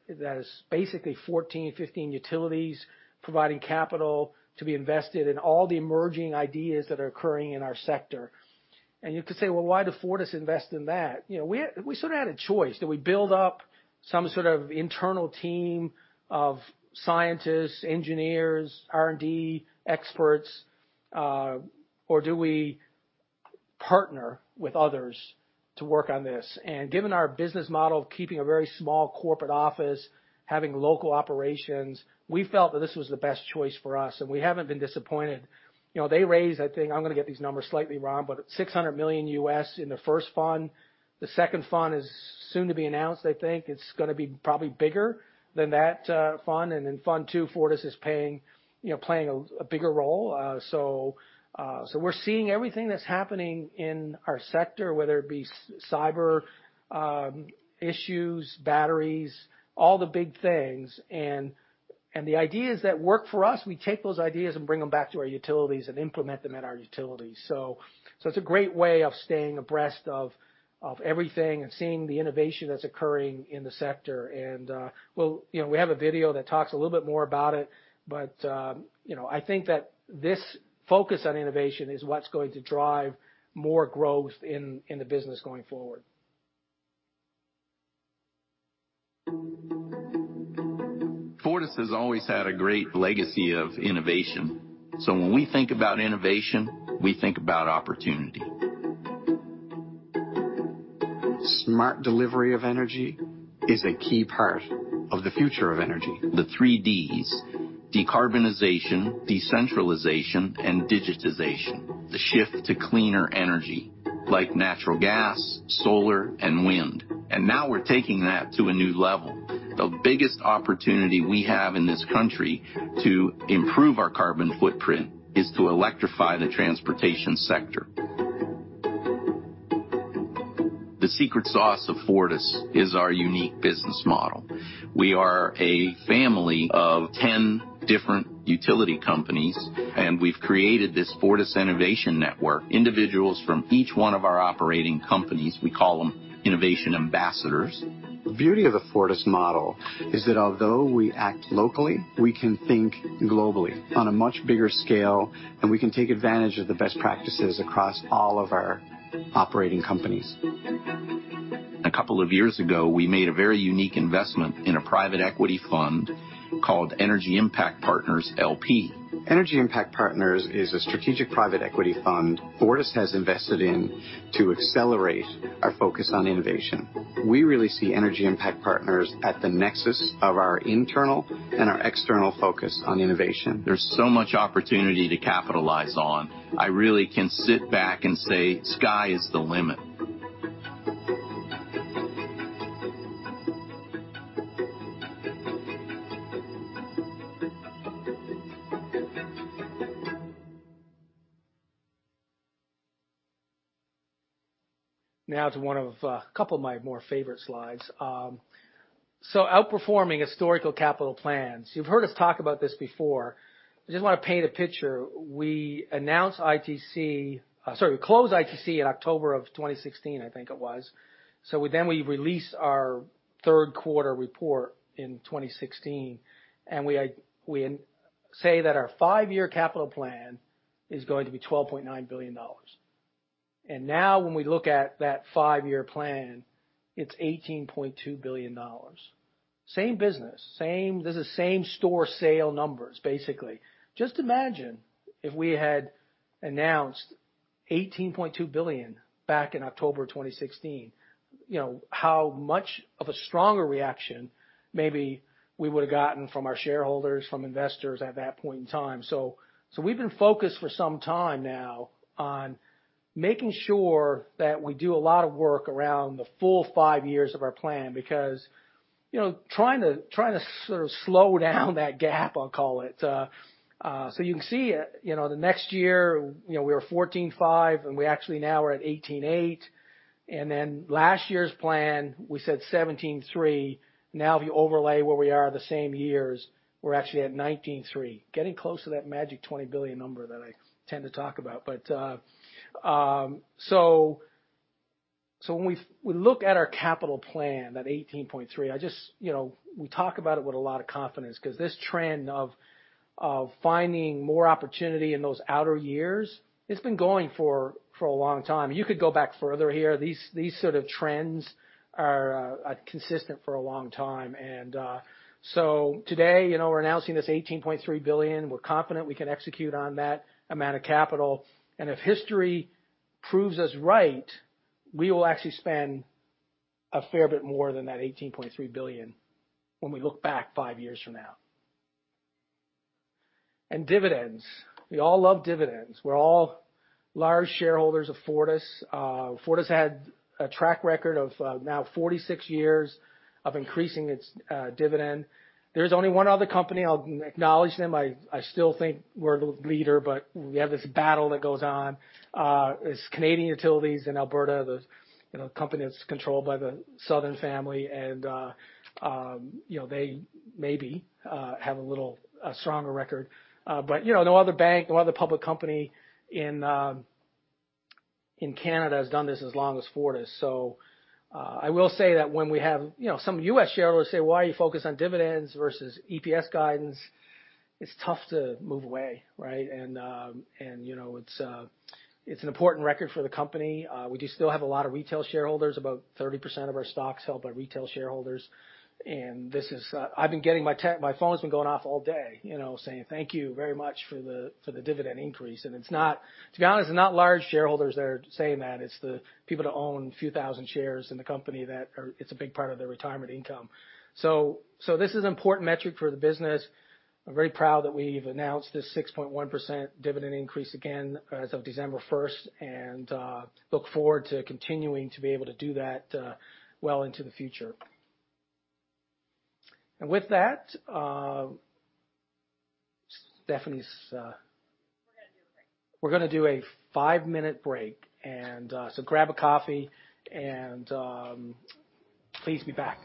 C: is basically 14, 15 utilities providing capital to be invested in all the emerging ideas that are occurring in our sector. You could say, "Well, why did Fortis invest in that?" We sort of had a choice. Do we build up some sort of internal team of scientists, engineers, R&D experts, or do we partner with others to work on this? Given our business model of keeping a very small corporate office, having local operations, we felt that this was the best choice for us, and we haven't been disappointed. They raised, I think, I'm going to get these numbers slightly wrong, but it's $600 million in the first fund. The second fund is soon to be announced, I think. It's going to be probably bigger than that fund. In fund 2, Fortis is playing a bigger role. We're seeing everything that's happening in our sector, whether it be cyber issues, batteries, all the big things. The ideas that work for us, we take those ideas and bring them back to our utilities and implement them at our utilities. It's a great way of staying abreast of everything and seeing the innovation that's occurring in the sector. We have a video that talks a little bit more about it. I think that this focus on innovation is what's going to drive more growth in the business going forward.
F: Fortis has always had a great legacy of innovation. When we think about innovation, we think about opportunity.
G: Smart delivery of energy is a key part of the future of energy.
F: The three Ds: decarbonization, decentralization, and digitization. The shift to cleaner energy like natural gas, solar, and wind. Now we're taking that to a new level. The biggest opportunity we have in this country to improve our carbon footprint is to electrify the transportation sector. The secret sauce of Fortis is our unique business model. We are a family of 10 different utility companies, and we've created this Fortis Innovation Network. Individuals from each one of our operating companies, we call them innovation ambassadors.
G: The beauty of the Fortis model is that although we act locally, we can think globally on a much bigger scale, and we can take advantage of the best practices across all of our operating companies.
F: A couple of years ago, we made a very unique investment in a private equity fund called Energy Impact Partners LP.
G: Energy Impact Partners is a strategic private equity fund Fortis has invested in to accelerate our focus on innovation. We really see Energy Impact Partners at the nexus of our internal and our external focus on innovation.
F: There's so much opportunity to capitalize on. I really can sit back and say sky is the limit.
C: Now to one of a couple of my more favorite slides. Outperforming historical capital plans. You've heard us talk about this before. I just want to paint a picture. We closed ITC in October of 2016, I think it was. We released our third-quarter report in 2016, and we say that our five-year capital plan is going to be 12.9 billion dollars. Now when we look at that five-year plan, it's 18.2 billion dollars. Same business, these are the same store sale numbers, basically. Just imagine if we had announced 18.2 billion back in October 2016, how much of a stronger reaction maybe we would've gotten from our shareholders, from investors at that point in time. We've been focused for some time now on making sure that we do a lot of work around the full five years of our plan because trying to sort of slow down that gap, I'll call it. You can see the next year, we were 14.5, and we actually now are at 18.8. Last year's plan, we said 17.3. If you overlay where we are the same years, we're actually at 19.3, getting close to that magic 20 billion number that I tend to talk about. When we look at our capital plan, that 18.3, we talk about it with a lot of confidence because this trend of finding more opportunity in those outer years, it's been going for a long time. You could go back further here. These sort of trends are consistent for a long time. Today, we're announcing this 18.3 billion. We're confident we can execute on that amount of capital. If history proves us right, we will actually spend a fair bit more than that 18.3 billion when we look back 5 years from now. Dividends. We all love dividends. We're all large shareholders of Fortis. Fortis had a track record of now 46 years of increasing its dividend. There's only one other company, I'll acknowledge them. I still think we're the leader, but we have this battle that goes on. It's Canadian Utilities in Alberta, the company that's controlled by the Southern family, and they maybe have a little stronger record. No other bank, no other public company in Canada has done this as long as Fortis. I will say that when we have some U.S. shareholders say, "Why are you focused on dividends versus EPS guidance?" It's tough to move away, right? It's an important record for the company. We do still have a lot of retail shareholders, about 30% of our stock's held by retail shareholders. My phone's been going off all day saying, "Thank you very much for the dividend increase." To be honest, it's not large shareholders that are saying that. It's the people that own a few thousand shares in the company that it's a big part of their retirement income. This is an important metric for the business. I'm very proud that we've announced this 6.1% dividend increase again as of December 1st and look forward to continuing to be able to do that well into the future. With that, we're going to do a break. We're going to do a five-minute break. Grab a coffee and please be back.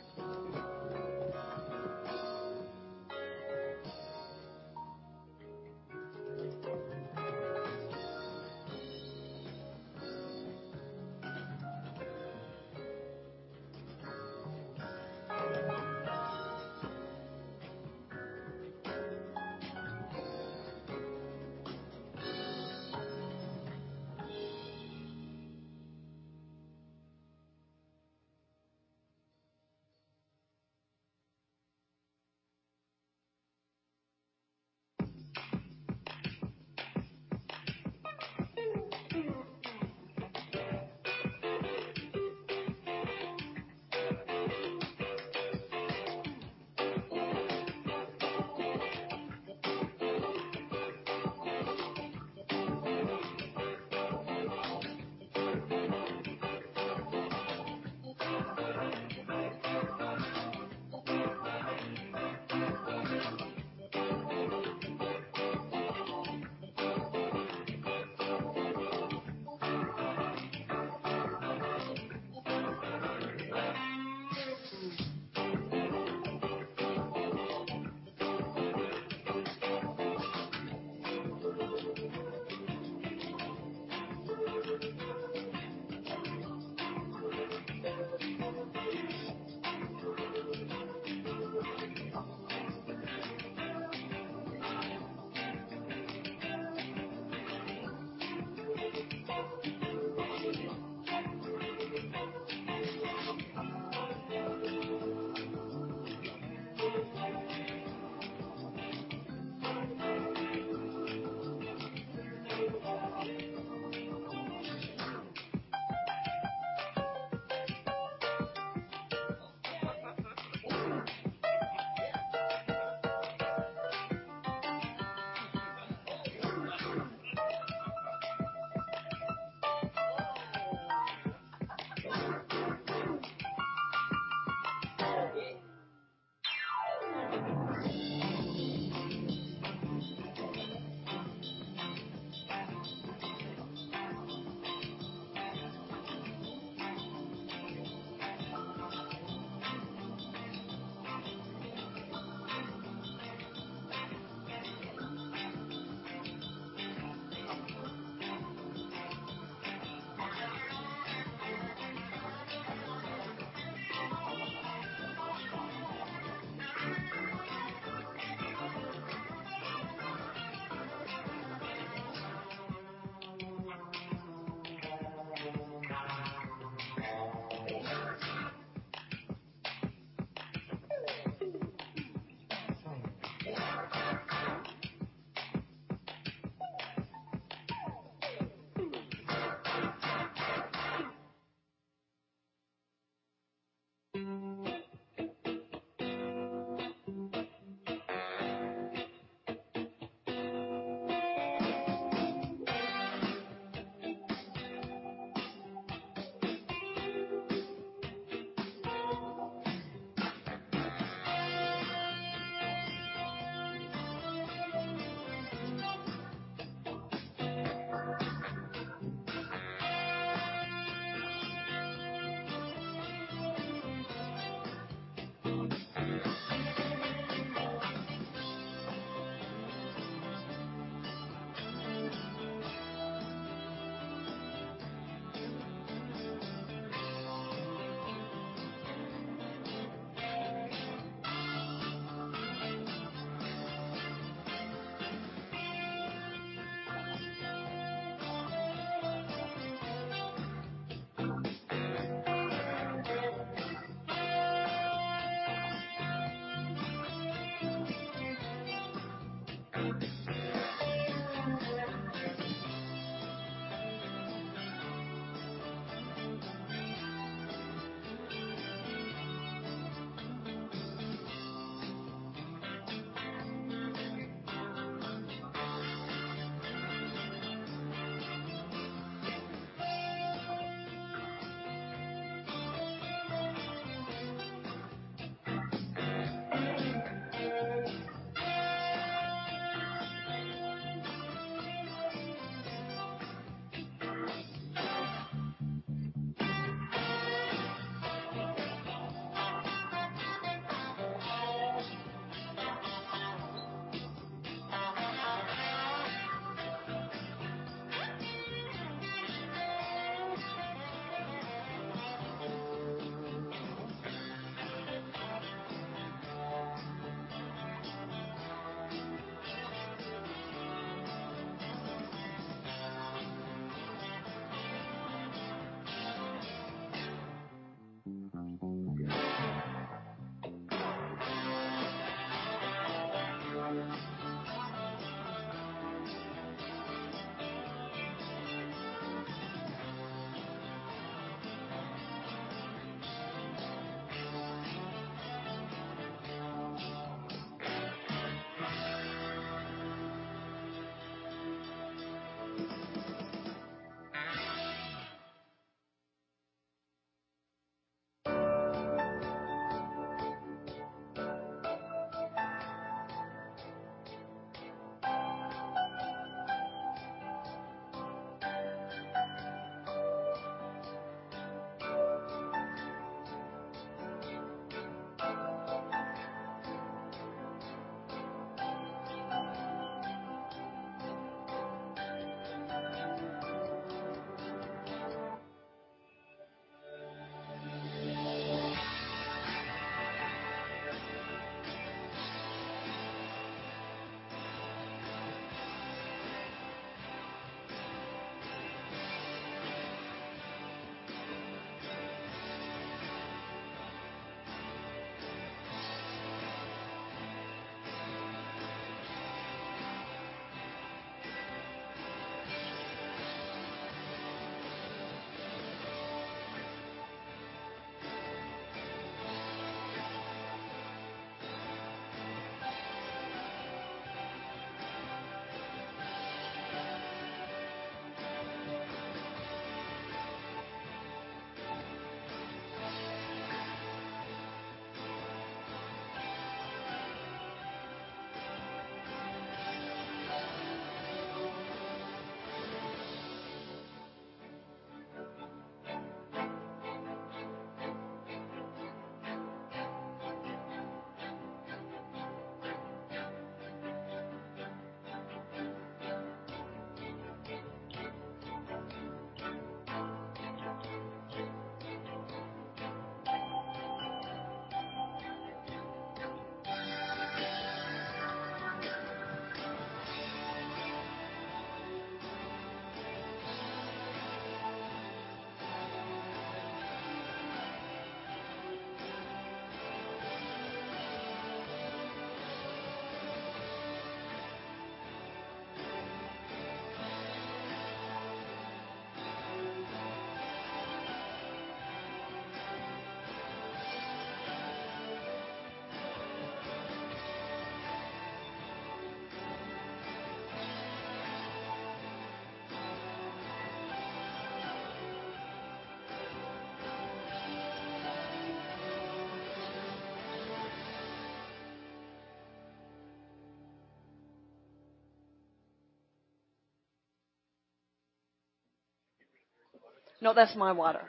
H: No, that's my water.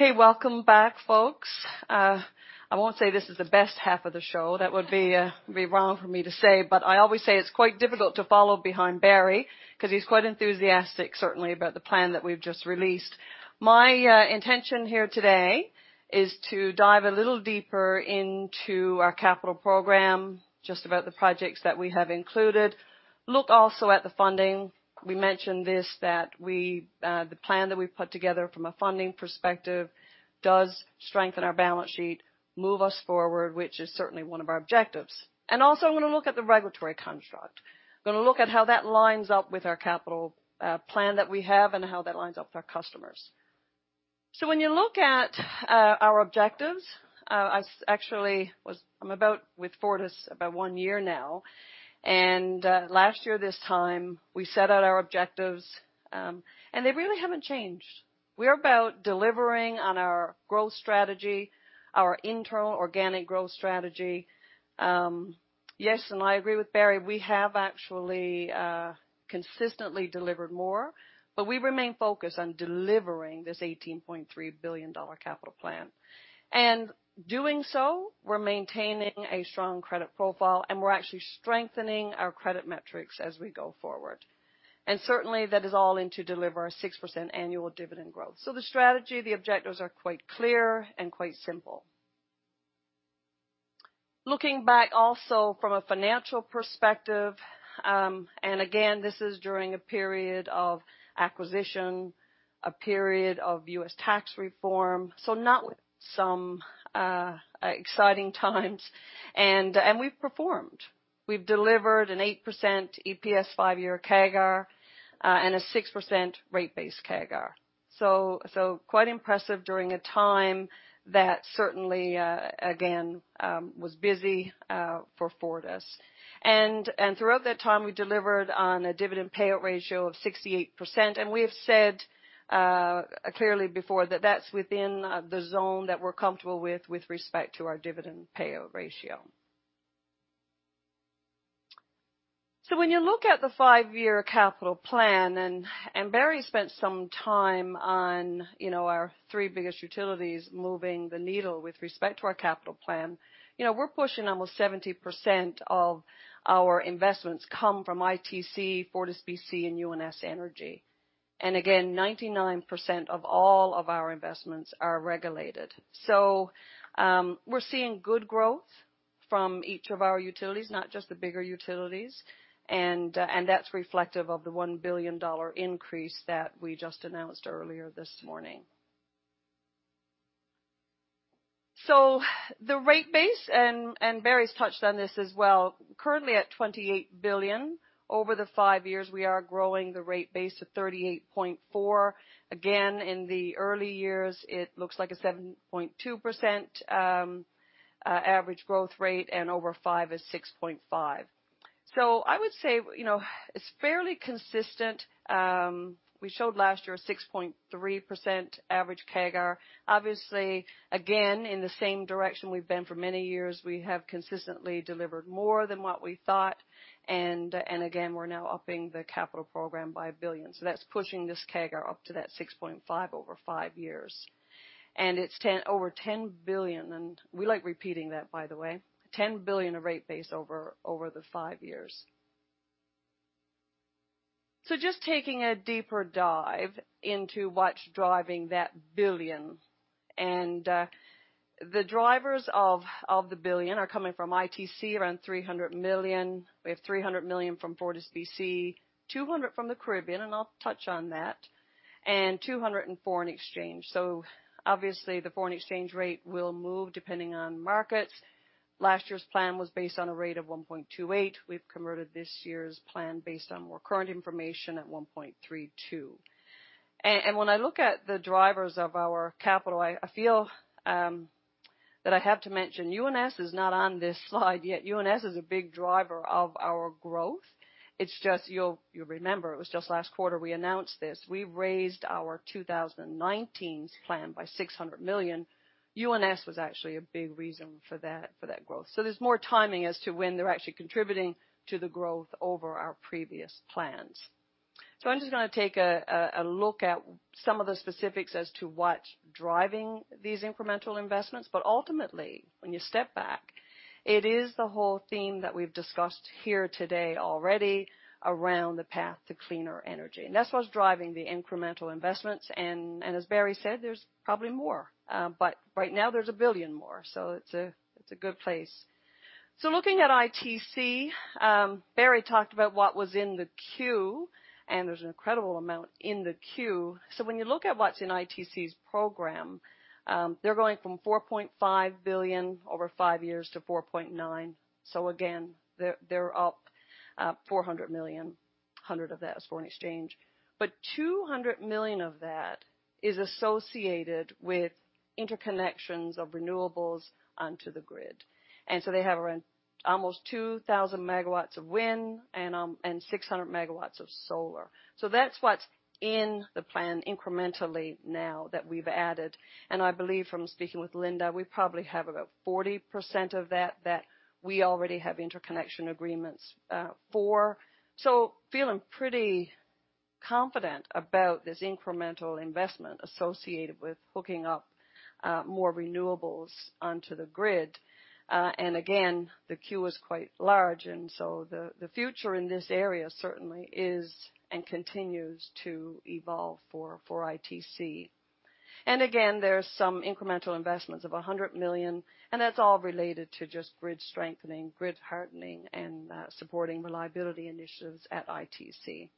H: My water. Okay, welcome back, folks. I won't say this is the best half of the show. That would be wrong for me to say, but I always say it's quite difficult to follow behind Barry because he's quite enthusiastic, certainly, about the plan that we've just released. My intention here today is to dive a little deeper into our capital program, just about the projects that we have included. Look also at the funding. We mentioned this, that the plan that we've put together from a funding perspective does strengthen our balance sheet, move us forward, which is certainly one of our objectives. Also, I'm going to look at the regulatory construct. I'm going to look at how that lines up with our capital plan that we have and how that lines up with our customers. When you look at our objectives, I'm about with Fortis about one year now. Last year this time, we set out our objectives, and they really haven't changed. We are about delivering on our growth strategy, our internal organic growth strategy. Yes, I agree with Barry, we have actually consistently delivered more, but we remain focused on delivering this 18.3 billion dollar capital plan. Doing so, we're maintaining a strong credit profile, and we're actually strengthening our credit metrics as we go forward. Certainly, that is all in to deliver a 6% annual dividend growth. The strategy, the objectives are quite clear and quite simple. Looking back also from a financial perspective, again, this is during a period of acquisition, a period of U.S. tax reform. Not with some exciting times. We've performed. We've delivered an 8% EPS five-year CAGR, and a 6% rate base CAGR. Quite impressive during a time that certainly, again, was busy for Fortis. Throughout that time, we delivered on a dividend payout ratio of 68%, and we have said clearly before that that's within the zone that we're comfortable with respect to our dividend payout ratio. When you look at the five-year capital plan, and Barry spent some time on our three biggest utilities moving the needle with respect to our capital plan. We're pushing almost 70% of our investments come from ITC, FortisBC, and UNS Energy. Again, 99% of all of our investments are regulated. We're seeing good growth from each of our utilities, not just the bigger utilities, and that's reflective of the 1 billion dollar increase that we just announced earlier this morning. The rate base, and Barry's touched on this as well, currently at 28 billion. Over the five years, we are growing the rate base to 38.4 billion. In the early years, it looks like a 7.2% average growth rate, and over five is 6.5%. I would say, it's fairly consistent. We showed last year a 6.3% average CAGR. Again, in the same direction we've been for many years, we have consistently delivered more than what we thought. Again, we're now upping the capital program by 1 billion. That's pushing this CAGR up to that 6.5% over five years. It's over 10 billion, and we like repeating that, by the way, 10 billion of rate base over the five years. Just taking a deeper dive into what's driving that 1 billion. The drivers of the 1 billion are coming from ITC, around 300 million. We have 300 million from FortisBC, 200 from the Caribbean, I'll touch on that, and 200 in foreign exchange. Obviously, the foreign exchange rate will move depending on markets. Last year's plan was based on a rate of 1.28. We've converted this year's plan based on more current information at 1.32. When I look at the drivers of our capital, I feel that I have to mention, UNS is not on this slide yet. UNS is a big driver of our growth. It's just you remember, it was just last quarter we announced this. We raised our 2019's plan by 600 million. UNS was actually a big reason for that growth. There's more timing as to when they're actually contributing to the growth over our previous plans. I'm just going to take a look at some of the specifics as to what's driving these incremental investments. Ultimately, when you step back, it is the whole theme that we've discussed here today already around the path to cleaner energy. That's what's driving the incremental investments. As Barry said, there's probably more. Right now, there's 1 billion more, so it's a good place. Looking at ITC, Barry talked about what was in the queue, and there's an incredible amount in the queue. When you look at what's in ITC's program, they're going from 4.5 billion over five years to 4.9 billion. Again, they're up 400 million. 100 million of that is foreign exchange. 200 million of that is associated with interconnections of renewables onto the grid. They have around almost 2,000 MW of wind and 600 MW of solar. That's what's in the plan incrementally now that we've added, and I believe from speaking with Linda, we probably have about 40% of that we already have interconnection agreements for. Feeling pretty confident about this incremental investment associated with hooking up more renewables onto the grid. Again, the queue is quite large, and the future in this area certainly is and continues to evolve for ITC. Again, there's some incremental investments of 100 million, and that's all related to just grid strengthening, grid hardening, and supporting reliability initiatives at ITC.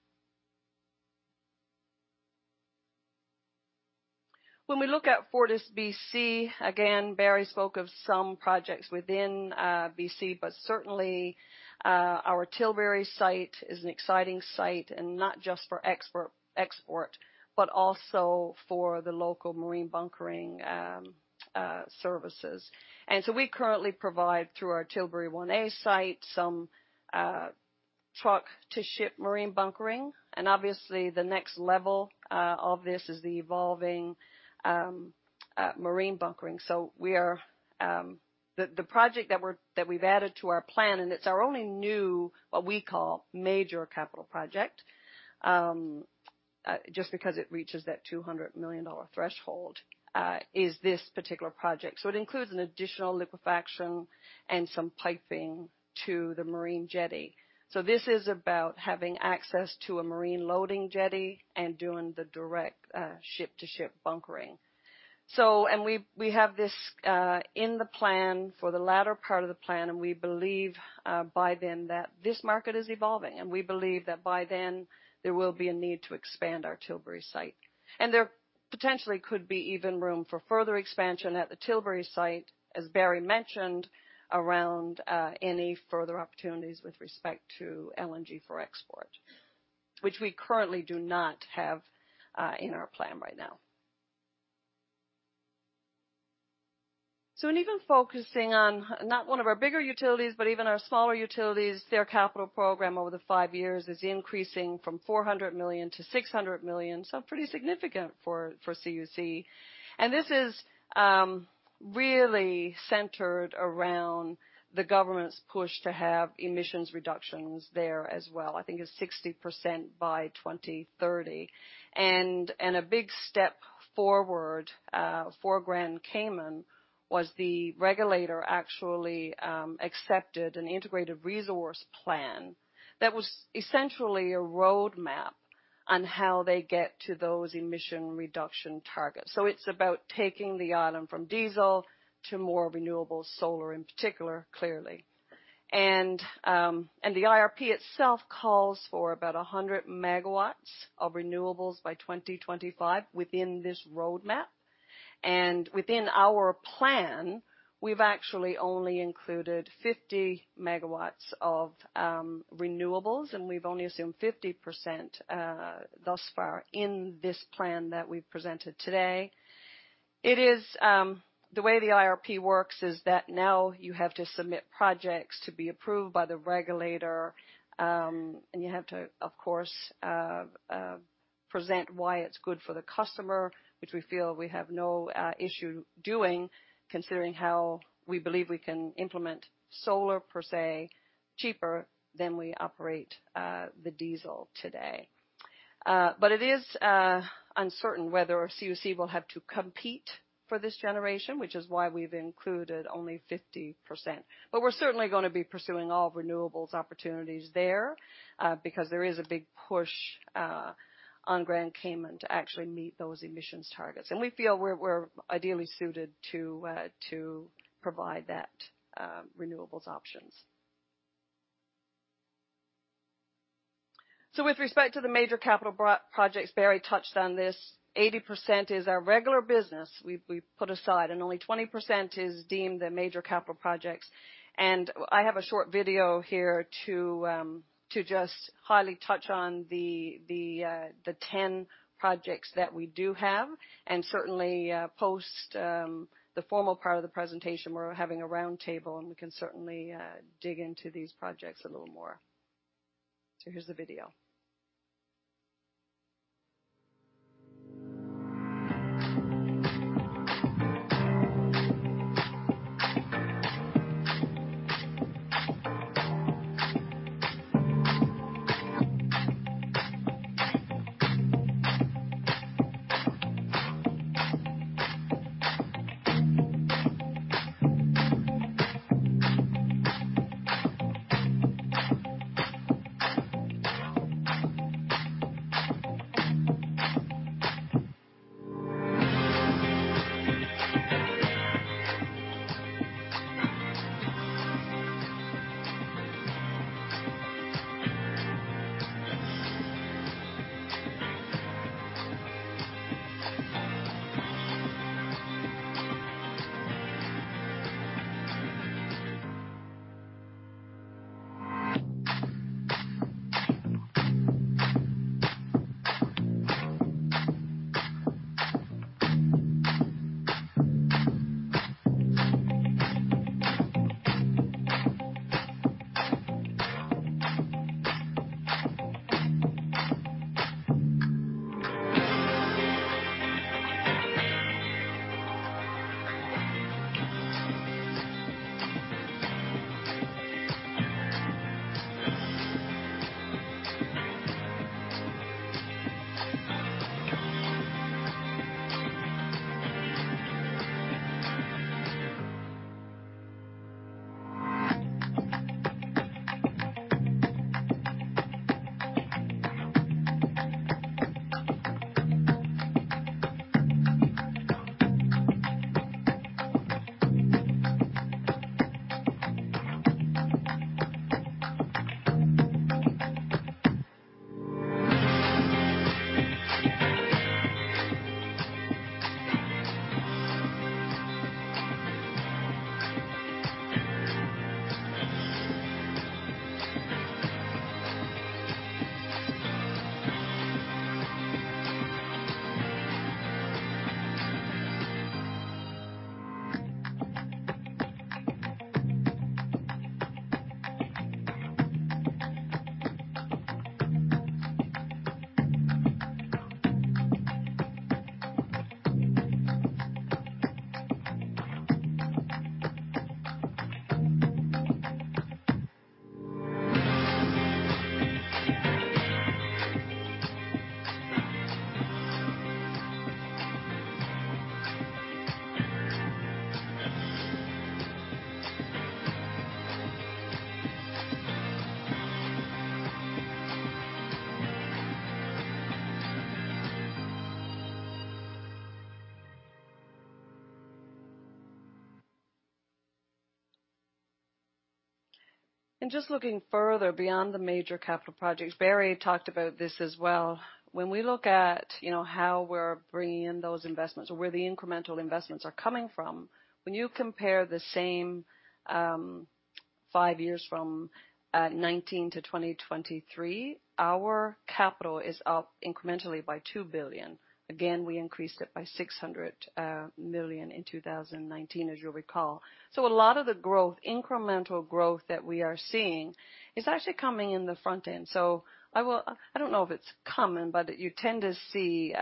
H: When we look at FortisBC, again, Barry spoke of some projects within BC, but certainly our Tilbury site is an exciting site and not just for export, but also for the local marine bunkering services. We currently provide, through our Tilbury 1A site, some truck-to-ship marine bunkering. Obviously, the next level of this is the evolving marine bunkering. The project that we've added to our plan, and it's our only new, what we call, major capital project, just because it reaches that 200 million dollar threshold, is this particular project. It includes an additional liquefaction and some piping to the marine jetty. This is about having access to a marine loading jetty and doing the direct ship-to-ship bunkering. We have this in the plan for the latter part of the plan, and we believe by then that this market is evolving, and we believe that by then there will be a need to expand our Tilbury site. There potentially could be even room for further expansion at the Tilbury site, as Barry mentioned, around any further opportunities with respect to LNG for export, which we currently do not have in our plan right now. In even focusing on not one of our bigger utilities, but even our smaller utilities, their capital program over the five years is increasing from 400 million to 600 million. Pretty significant for CUC. This is really centered around the government's push to have emissions reductions there as well. I think it's 60% by 2030. A big step forward for Grand Cayman was the regulator actually accepted an integrated resource plan that was essentially a roadmap on how they get to those emission reduction targets. It's about taking the island from diesel to more renewable solar, in particular, clearly. The IRP itself calls for about 100 MW of renewables by 2025 within this roadmap. Within our plan, we've actually only included 50 MW of renewables, and we've only assumed 50% thus far in this plan that we presented today. The way the IRP works is that now you have to submit projects to be approved by the regulator, and you have to, of course, present why it's good for the customer, which we feel we have no issue doing, considering how we believe we can implement solar, per se, cheaper than we operate the diesel today. It is uncertain whether CUC will have to compete for this generation, which is why we've included only 50%. We're certainly going to be pursuing all renewables opportunities there because there is a big push on Grand Cayman to actually meet those emissions targets. We feel we're ideally suited to provide that renewables options. With respect to the major capital projects, Barry touched on this, 80% is our regular business we've put aside, and only 20% is deemed the major capital projects. I have a short video here to just highly touch on the 10 projects that we do have, and certainly post the formal part of the presentation, we're having a roundtable, and we can certainly dig into these projects a little more. Here's the video. Just looking further beyond the major capital projects, Barry talked about this as well. When we look at how we're bringing in those investments or where the incremental investments are coming from, when you compare the same five years from 2019 to 2023, our capital is up incrementally by 2 billion. Again, we increased it by 600 million in 2019, as you'll recall. A lot of the incremental growth that we are seeing is actually coming in the front end. I don't know if it's common, but you tend to see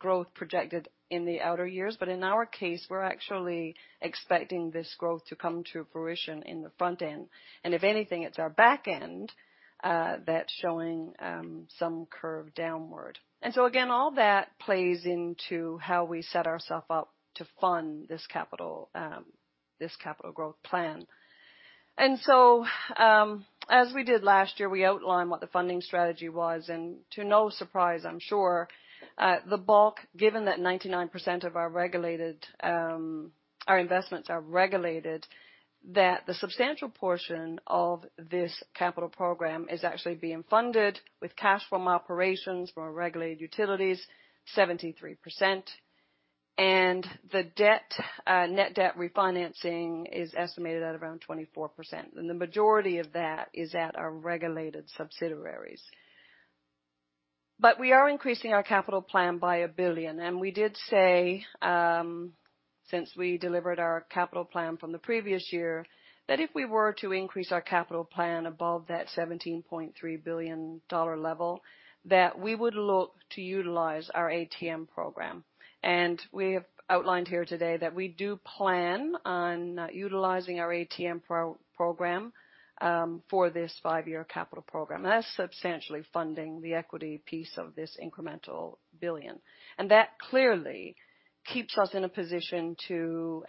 H: growth projected in the outer years. In our case, we're actually expecting this growth to come to fruition in the front end. If anything, it's our back end that's showing some curve downward. Again, all that plays into how we set ourself up to fund this capital growth plan. As we did last year, we outlined what the funding strategy was. To no surprise I'm sure, the bulk, given that 99% of our investments are regulated, that the substantial portion of this capital program is actually being funded with cash from operations from our regulated utilities, 73%. The net debt refinancing is estimated at around 24%, and the majority of that is at our regulated subsidiaries. We are increasing our capital plan by 1 billion. We did say, since we delivered our capital plan from the previous year, that if we were to increase our capital plan above that 17.3 billion dollar level, we would look to utilize our ATM program. We have outlined here today that we do plan on utilizing our ATM program for this five-year capital program. That's substantially funding the equity piece of this incremental 1 billion. That clearly keeps us in a position to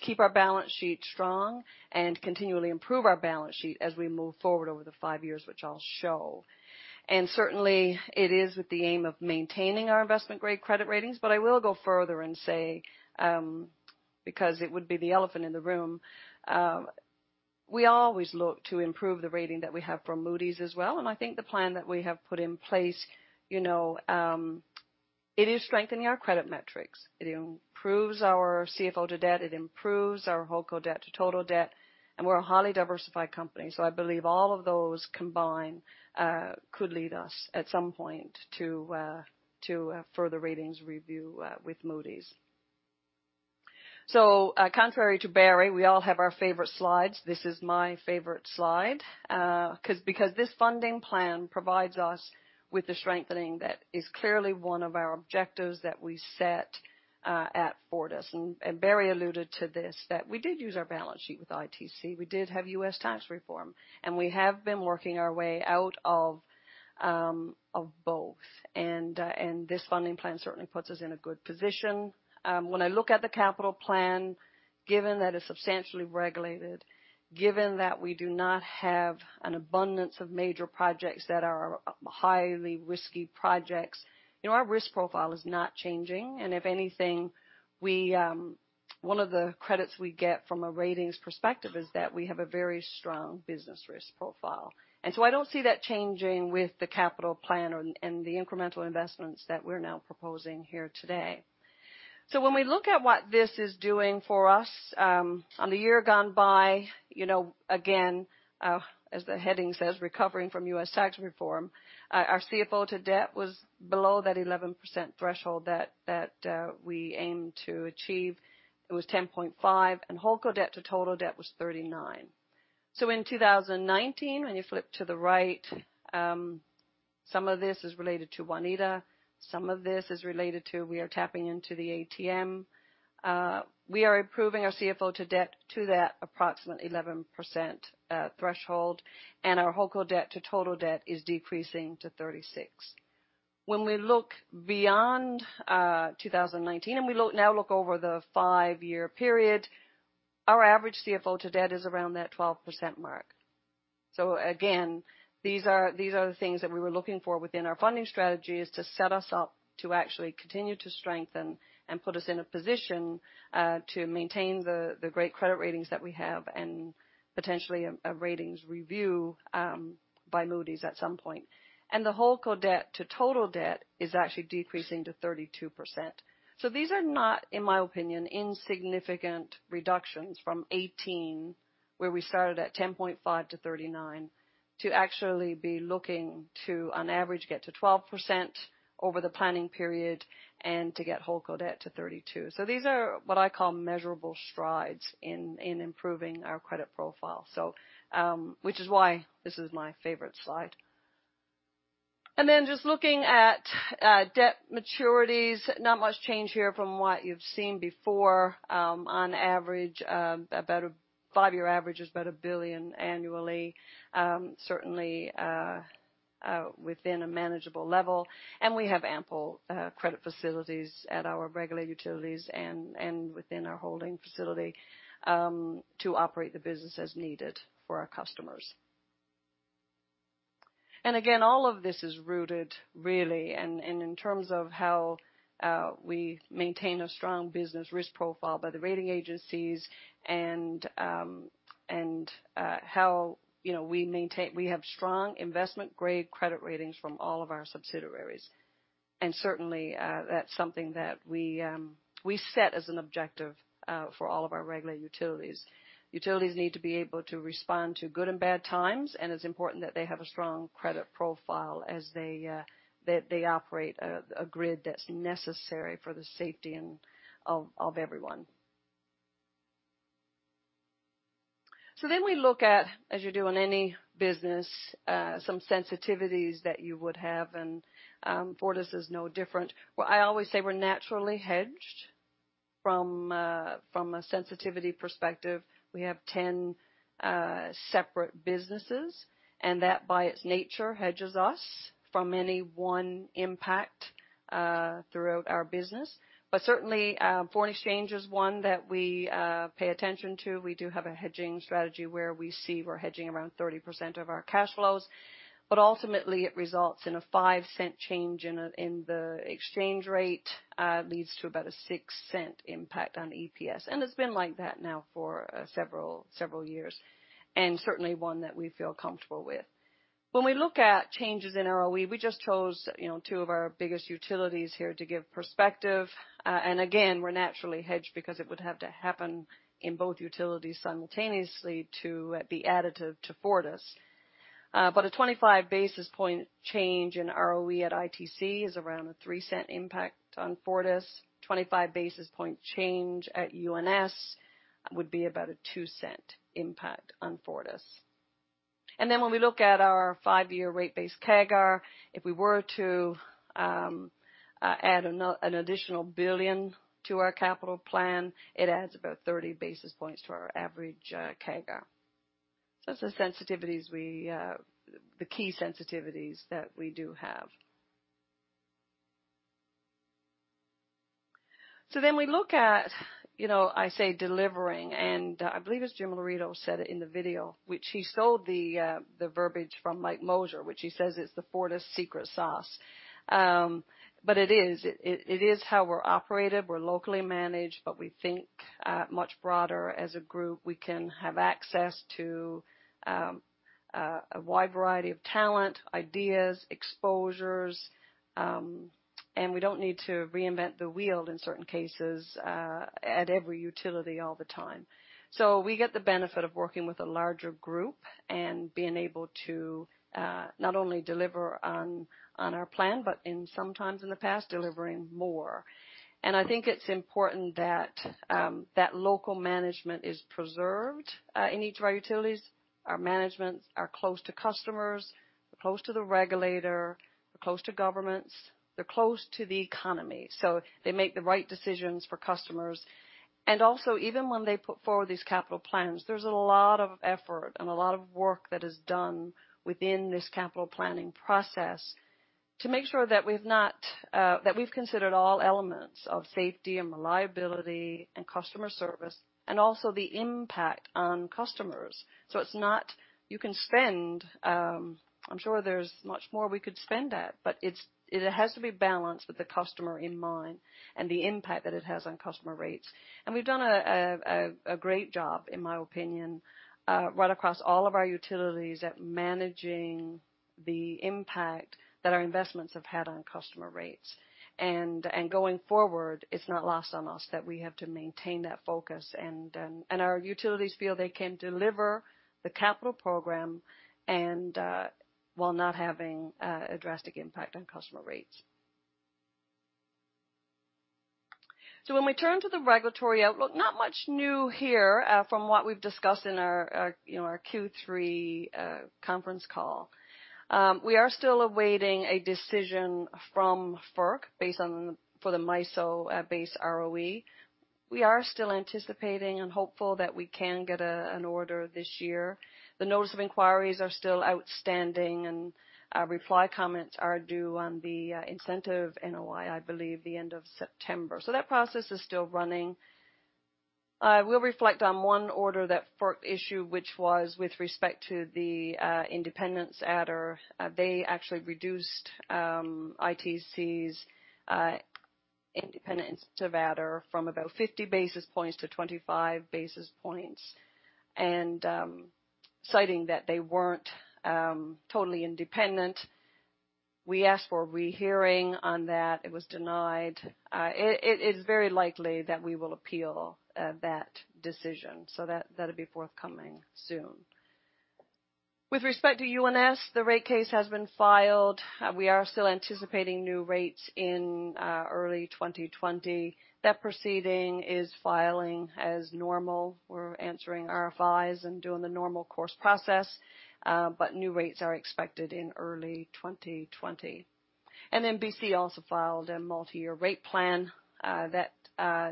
H: keep our balance sheet strong and continually improve our balance sheet as we move forward over the five years, which I'll show. Certainly, it is with the aim of maintaining our investment-grade credit ratings. I will go further and say, because it would be the elephant in the room, we always look to improve the rating that we have from Moody's as well. I think the plan that we have put in place, it is strengthening our credit metrics. It improves our CFO to debt, it improves our holdco debt to total debt, and we're a highly diversified company. I believe all of those combined could lead us, at some point, to a further ratings review with Moody's. Contrary to Barry, we all have our favorite slides. This is my favorite slide, because this funding plan provides us with the strengthening that is clearly one of our objectives that we set at Fortis. Barry alluded to this, that we did use our balance sheet with ITC. We did have U.S. tax reform. We have been working our way out of both. This funding plan certainly puts us in a good position. When I look at the capital plan, given that it's substantially regulated, given that we do not have an abundance of major projects that are highly risky projects, our risk profile is not changing. If anything, one of the credits we get from a ratings perspective is that we have a very strong business risk profile. I don't see that changing with the capital plan or the incremental investments that we're now proposing here today. When we look at what this is doing for us on the year gone by, again, as the heading says, recovering from U.S. tax reform, our CFO to debt was below that 11% threshold that we aim to achieve. It was 10.5%, and holdco debt to total debt was 39%. In 2019, when you flip to the right, some of this is related to Waneta, some of this is related to we are tapping into the ATM. We are improving our CFO to debt to that approximate 11% threshold, and our holdco debt to total debt is decreasing to 36%. When we look beyond 2019, and we now look over the five-year period, our average CFO to debt is around that 12% mark. Again, these are the things that we were looking for within our funding strategy, is to set us up to actually continue to strengthen and put us in a position to maintain the great credit ratings that we have and potentially a ratings review by Moody's at some point. The holdco debt to total debt is actually decreasing to 32%. These are not, in my opinion, insignificant reductions from 2018, where we started at 10.5 to 39, to actually be looking to on average, get to 12% over the planning period and to get holdco debt to 32%. These are what I call measurable strides in improving our credit profile, which is why this is my favorite slide. Then just looking at debt maturities, not much change here from what you have seen before. On average, about a five-year average is about 1 billion annually. Certainly, within a manageable level. We have ample credit facilities at our regulated utilities and within our holding facility to operate the business as needed for our customers. Again, all of this is rooted really and in terms of how we maintain a strong business risk profile by the rating agencies and how we have strong investment-grade credit ratings from all of our subsidiaries. Certainly, that's something that we set as an objective for all of our regulated utilities. Utilities need to be able to respond to good and bad times, and it's important that they have a strong credit profile as they operate a grid that's necessary for the safety of everyone. We look at, as you do in any business, some sensitivities that you would have, and Fortis is no different. What I always say, we're naturally hedged from a sensitivity perspective. We have 10 separate businesses, and that, by its nature, hedges us from any one impact throughout our business. Certainly, foreign exchange is one that we pay attention to. We do have a hedging strategy where we see we're hedging around 30% of our cash flows. Ultimately, it results in a $0.05 change in the exchange rate, leads to about a $0.06 impact on EPS. It's been like that now for several years, and certainly one that we feel comfortable with. When we look at changes in ROE, we just chose two of our biggest utilities here to give perspective. Again, we're naturally hedged because it would have to happen in both utilities simultaneously to be additive to Fortis. A 25-basis point change in ROE at ITC is around a $0.03 impact on Fortis. 25 basis point change at UNS would be about a $0.02 impact on Fortis. When we look at our five-year rate base CAGR, if we were to add an additional 1 billion to our capital plan, it adds about 30 basis points to our average CAGR. That's the key sensitivities that we do have. We look at, I say delivering, and I believe it's Jim Lorito said it in the video, which he stole the verbiage from Mike Mosier, which he says it's the Fortis secret sauce. It is. It is how we're operated. We're locally managed, but we think much broader as a group. We can have access to a wide variety of talent, ideas, exposures, and we don't need to reinvent the wheel in certain cases at every utility all the time. We get the benefit of working with a larger group and being able to not only deliver on our plan, but sometimes in the past, delivering more. I think it's important that that local management is preserved in each of our utilities. Our managements are close to customers, close to the regulator, close to governments, they're close to the economy. They make the right decisions for customers. Also, even when they put forward these capital plans, there's a lot of effort and a lot of work that is done within this capital planning process to make sure that we've considered all elements of safety, reliability, and customer service, and also the impact on customers. It's not you can spend. I'm sure there's much more we could spend at, but it has to be balanced with the customer in mind and the impact that it has on customer rates. We've done a great job, in my opinion, right across all of our utilities at managing the impact that our investments have had on customer rates. Going forward, it's not lost on us that we have to maintain that focus, and our utilities feel they can deliver the capital program while not having a drastic impact on customer rates. When we turn to the regulatory outlook, not much new here from what we've discussed in our Q3 conference call. We are still awaiting a decision from FERC for the MISO base ROE. We are still anticipating and hopeful that we can get an order this year. The notice of inquiries are still outstanding, and reply comments are due on the incentive NOI, I believe the end of September. That process is still running. I will reflect on one order that FERC issued, which was with respect to the independence adder. They actually reduced ITC's independence adder from about 50 basis points to 25 basis points, citing that they weren't totally independent. We asked for a rehearing on that. It was denied. It is very likely that we will appeal that decision. That'll be forthcoming soon. With respect to UNS, the rate case has been filed. We are still anticipating new rates in early 2020. That proceeding is filing as normal. We're answering RFIs and doing the normal course process, but new rates are expected in early 2020. BC also filed a multi-year rate plan, that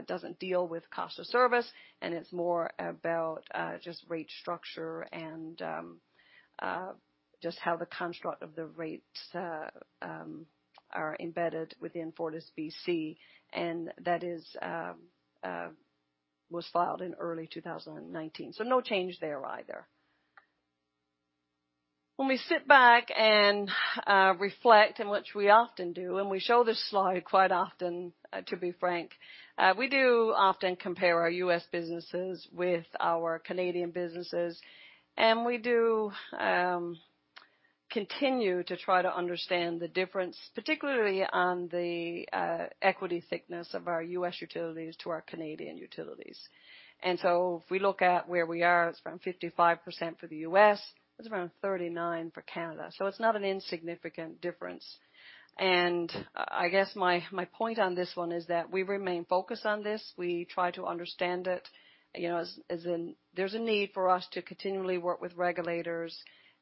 H: doesn't deal with cost of service, and it's more about just rate structure and just how the construct of the rates are embedded within FortisBC, and that was filed in early 2019. No change there either. When we sit back and reflect, and which we often do, and we show this slide quite often, to be frank. We do often compare our U.S. businesses with our Canadian businesses, and we do continue to try to understand the difference, particularly on the equity thickness of our U.S. utilities to our Canadian utilities. If we look at where we are, it's around 55% for the U.S., it's around 39% for Canada. It's not an insignificant difference. I guess my point on this one is that we remain focused on this. We try to understand it. There's a need for us to continually work with regulators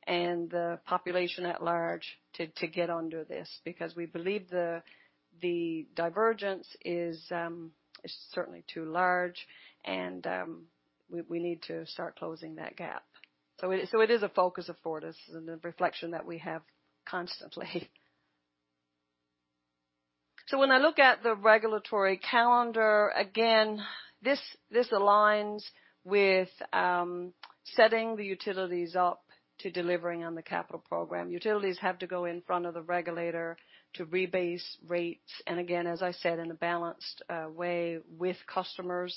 H: and the population at large to get under this, because we believe the divergence is certainly too large, and we need to start closing that gap. It is a focus of Fortis and a reflection that we have constantly. When I look at the regulatory calendar, again, this aligns with setting the utilities up to delivering on the capital program. Utilities have to go in front of the regulator to rebase rates, and again, as I said, in a balanced way with customers.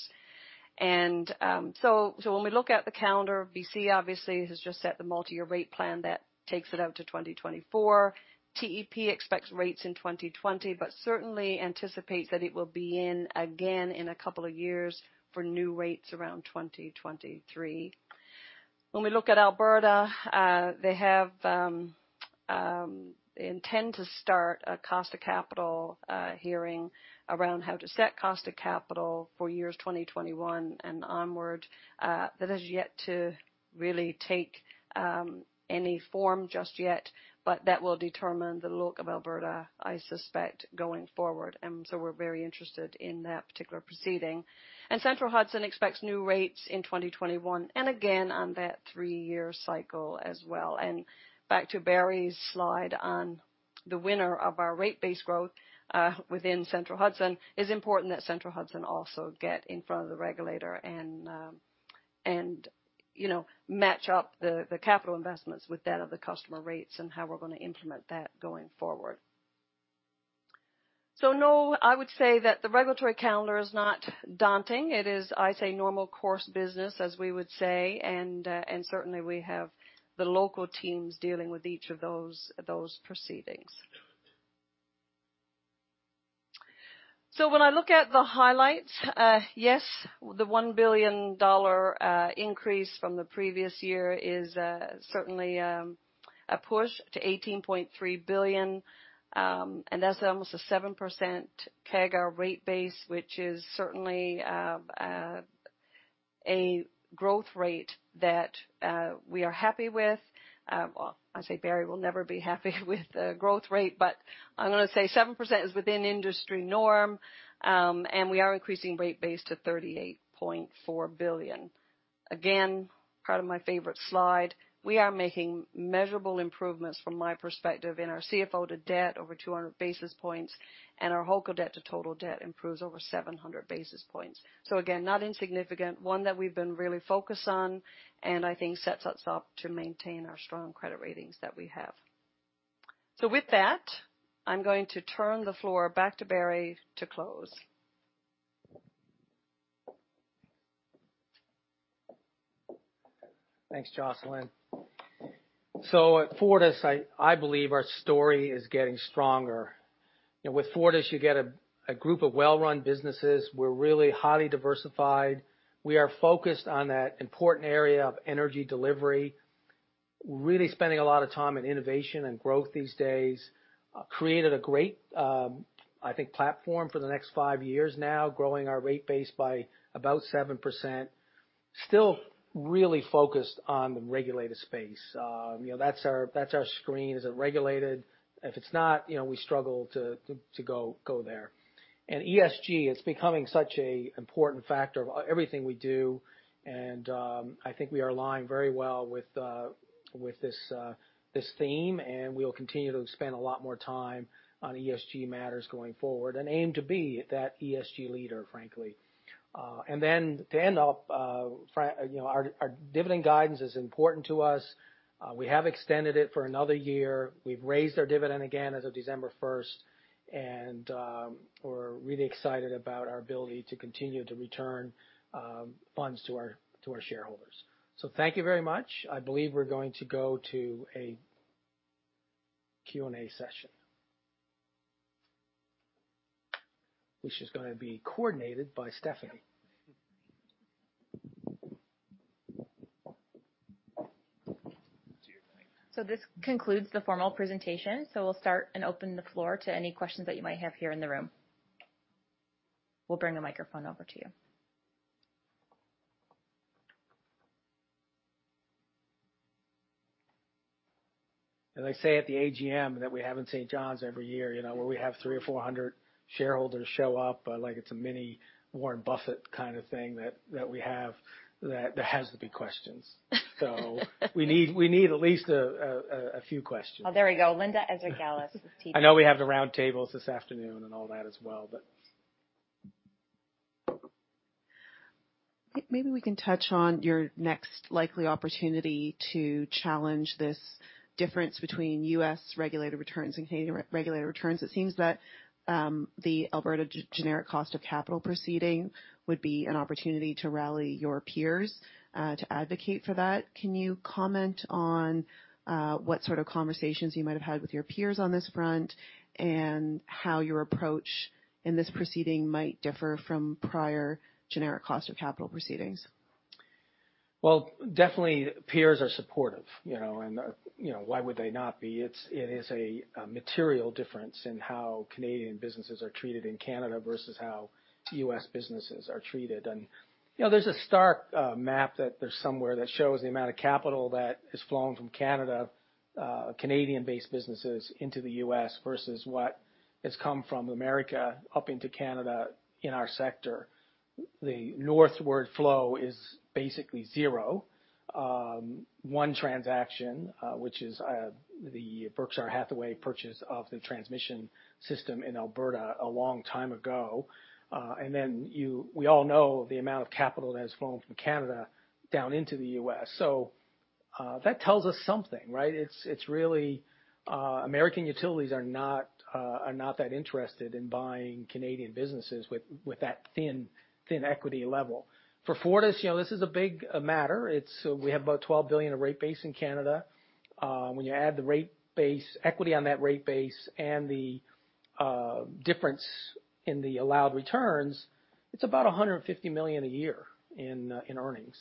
H: When we look at the calendar, BC obviously has just set the multi-year rate plan that takes it out to 2024. TEP expects rates in 2020 but certainly anticipates that it will be in again in a couple of years for new rates around 2023. When we look at Alberta, they intend to start a Cost of Capital Hearing around how to set cost of capital for years 2021 and onward. That has yet to really take any form just yet, but that will determine the look of Alberta, I suspect, going forward. We're very interested in that particular proceeding. Central Hudson expects new rates in 2021, and again on that three-year cycle as well. Back to Barry's slide on the winner of our rate base growth within Central Hudson, it's important that Central Hudson also get in front of the regulator and match up the capital investments with that of the customer rates and how we're going to implement that going forward. No, I would say that the regulatory calendar is not daunting. It is, I say, normal course business, as we would say. Certainly, we have the local teams dealing with each of those proceedings. When I look at the highlights, yes, the 1 billion dollar increase from the previous year is certainly a push to 18.3 billion. That's almost a 7% CAGR rate base, which is certainly a growth rate that we are happy with. Well, I say Barry will never be happy with the growth rate, but I'm going to say 7% is within industry norm. We are increasing rate base to 38.4 billion. Again, part of my favorite slide. We are making measurable improvements from my perspective in our CFO to debt over 200 basis points. Our holdco debt to total debt improves over 700 basis points. Again, not insignificant, one that we've been really focused on, and I think sets us up to maintain our strong credit ratings that we have. With that, I'm going to turn the floor back to Barry to close.
C: Thanks, Jocelyn. At Fortis, I believe our story is getting stronger. With Fortis, you get a group of well-run businesses. We're really highly diversified. We are focused on that important area of energy delivery, really spending a lot of time in innovation and growth these days. Created a great, I think, platform for the next five years now, growing our rate base by about 7%. Still really focused on the regulated space. That's our screen. Is it regulated? If it's not, we struggle to go there. ESG, it's becoming such a important factor of everything we do, and I think we are aligned very well with this theme, and we'll continue to spend a lot more time on ESG matters going forward and aim to be that ESG leader, frankly. To end up, our dividend guidance is important to us. We have extended it for another year. We've raised our dividend again as of December 1st, and we're really excited about our ability to continue to return funds to our shareholders. Thank you very much. I believe we're going to go to a Q&A session, which is going to be coordinated by Stephanie.
I: This concludes the formal presentation. We'll start and open the floor to any questions that you might have here in the room. We'll bring a microphone over to you.
C: As I say at the AGM that we have in St. John's every year, where we have 300 or 400 shareholders show up, like it's a mini-Warren Buffett kind of thing that we have, there has to be questions. We need at least a few questions.
I: Oh, there we go. Linda Ezergailis with TD. I know we have the round tables this afternoon and all that as well.
J: Maybe we can touch on your next likely opportunity to challenge this difference between U.S. regulated returns and Canadian regulated returns. It seems that the Alberta Generic Cost of Capital Proceeding would be an opportunity to rally your peers to advocate for that. Can you comment on what sort of conversations you might have had with your peers on this front, and how your approach in this proceeding might differ from prior generic cost of capital proceedings?
C: Well, definitely, peers are supportive. Why would they not be? It is a material difference in how Canadian businesses are treated in Canada versus how U.S. businesses are treated. There's a stark map that there's somewhere that shows the amount of capital that has flown from Canada, Canadian-based businesses into the U.S. versus what has come from America up into Canada in our sector. The northward flow is basically zero. One transaction, which is the Berkshire Hathaway purchase of the transmission system in Alberta a long time ago. We all know the amount of capital that has flown from Canada down into the U.S. That tells us something, right? American utilities are not that interested in buying Canadian businesses with that thin equity level. For Fortis, this is a big matter. We have about 12 billion of rate base in Canada. When you add the equity on that rate base and the difference in the allowed returns, it's about 150 million a year in earnings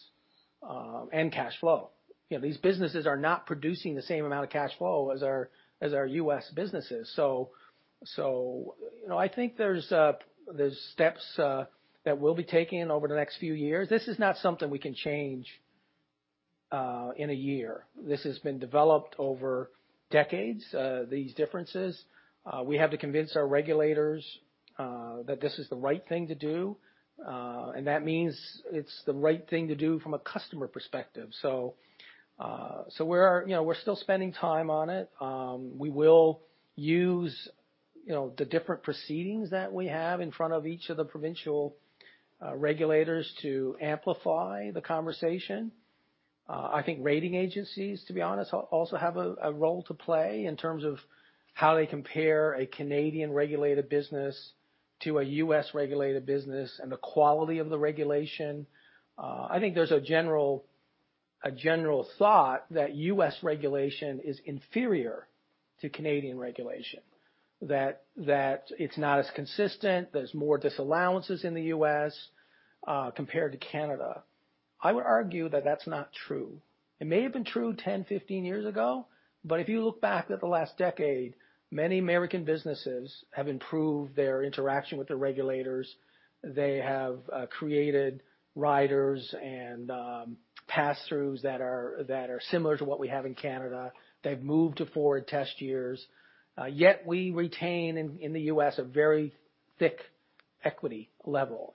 C: and cash flow. These businesses are not producing the same amount of cash flow as our U.S. businesses. I think there's steps that we'll be taking over the next few years. This is not something we can change in a year. This has been developed over decades, these differences. We have to convince our regulators that this is the right thing to do. That means it's the right thing to do from a customer perspective. We're still spending time on it. We will use the different proceedings that we have in front of each of the provincial regulators to amplify the conversation. I think rating agencies, to be honest, also have a role to play in terms of how they compare a Canadian-regulated business to a U.S.-regulated business and the quality of the regulation. I think there's a general thought that U.S. regulation is inferior to Canadian regulation, that it's not as consistent, there's more disallowances in the U.S. compared to Canada. I would argue that that's not true. It may have been true 10, 15 years ago, but if you look back at the last decade, many American businesses have improved their interaction with the regulators. They have created riders and pass-throughs that are similar to what we have in Canada. They've moved to forward test years. Yet we retain in the U.S. a very thick equity level.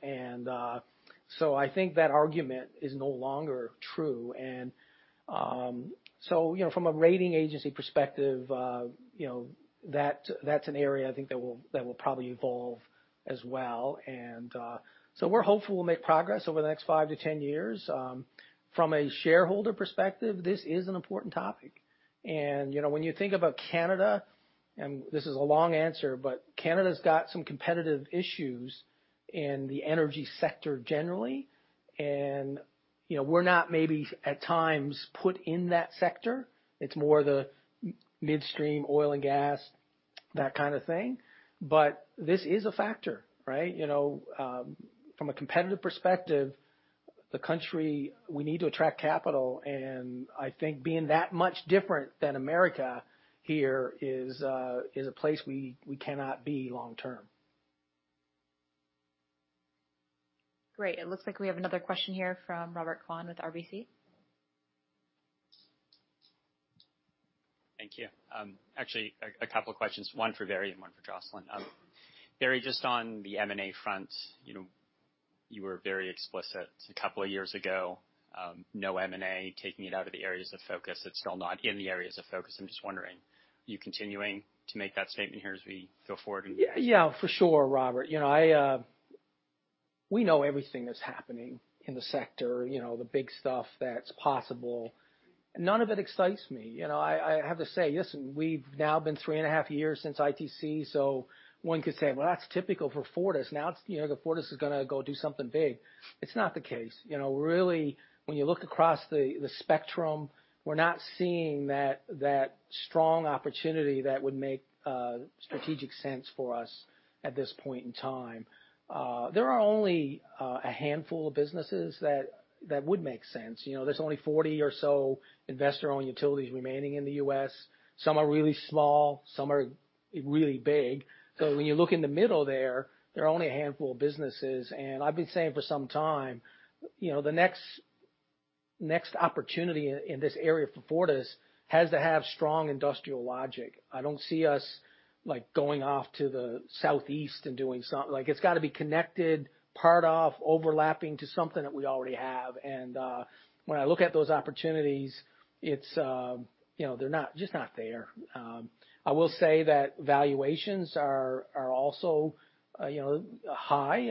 C: I think that argument is no longer true. From a rating agency perspective, that’s an area I think that will probably evolve as well. We’re hopeful we’ll make progress over the next 5 to 10 years. From a shareholder perspective, this is an important topic. When you think about Canada, and this is a long answer, but Canada’s got some competitive issues in the energy sector generally, and we’re not maybe at times put in that sector. It’s more the midstream oil and gas, that kind of thing. This is a factor, right? From a competitive perspective, the country, we need to attract capital, and I think being that much different than America here is a place we cannot be long-term.
I: Great. It looks like we have another question here from Robert Kwan with RBC.
K: Thank you. Actually, a couple of questions. One for Barry and one for Jocelyn. Barry, just on the M&A front, you were very explicit a couple of years ago. No M&A, taking it out of the areas of focus. It is still not in the areas of focus. I am just wondering, are you continuing to make that statement here as we go forward?
C: Yeah, for sure, Robert. We know everything that's happening in the sector, the big stuff that's possible. None of it excites me. I have to say, listen, we've now been three and a half years since ITC, one could say, "Well, that's typical for Fortis. Now Fortis is going to go do something big." It's not the case. Really, when you look across the spectrum, we're not seeing that strong opportunity that would make strategic sense for us at this point in time. There are only a handful of businesses that would make sense. There's only 40 or so investor-owned utilities remaining in the U.S. Some are really small, some are really big. When you look in the middle there are only a handful of businesses. I've been saying for some time, the next opportunity in this area for Fortis has to have strong industrial logic. I don't see us going off to the southeast and doing something. It's got to be connected, part of, overlapping to something that we already have. When I look at those opportunities, they're just not there. I will say that valuations are also high.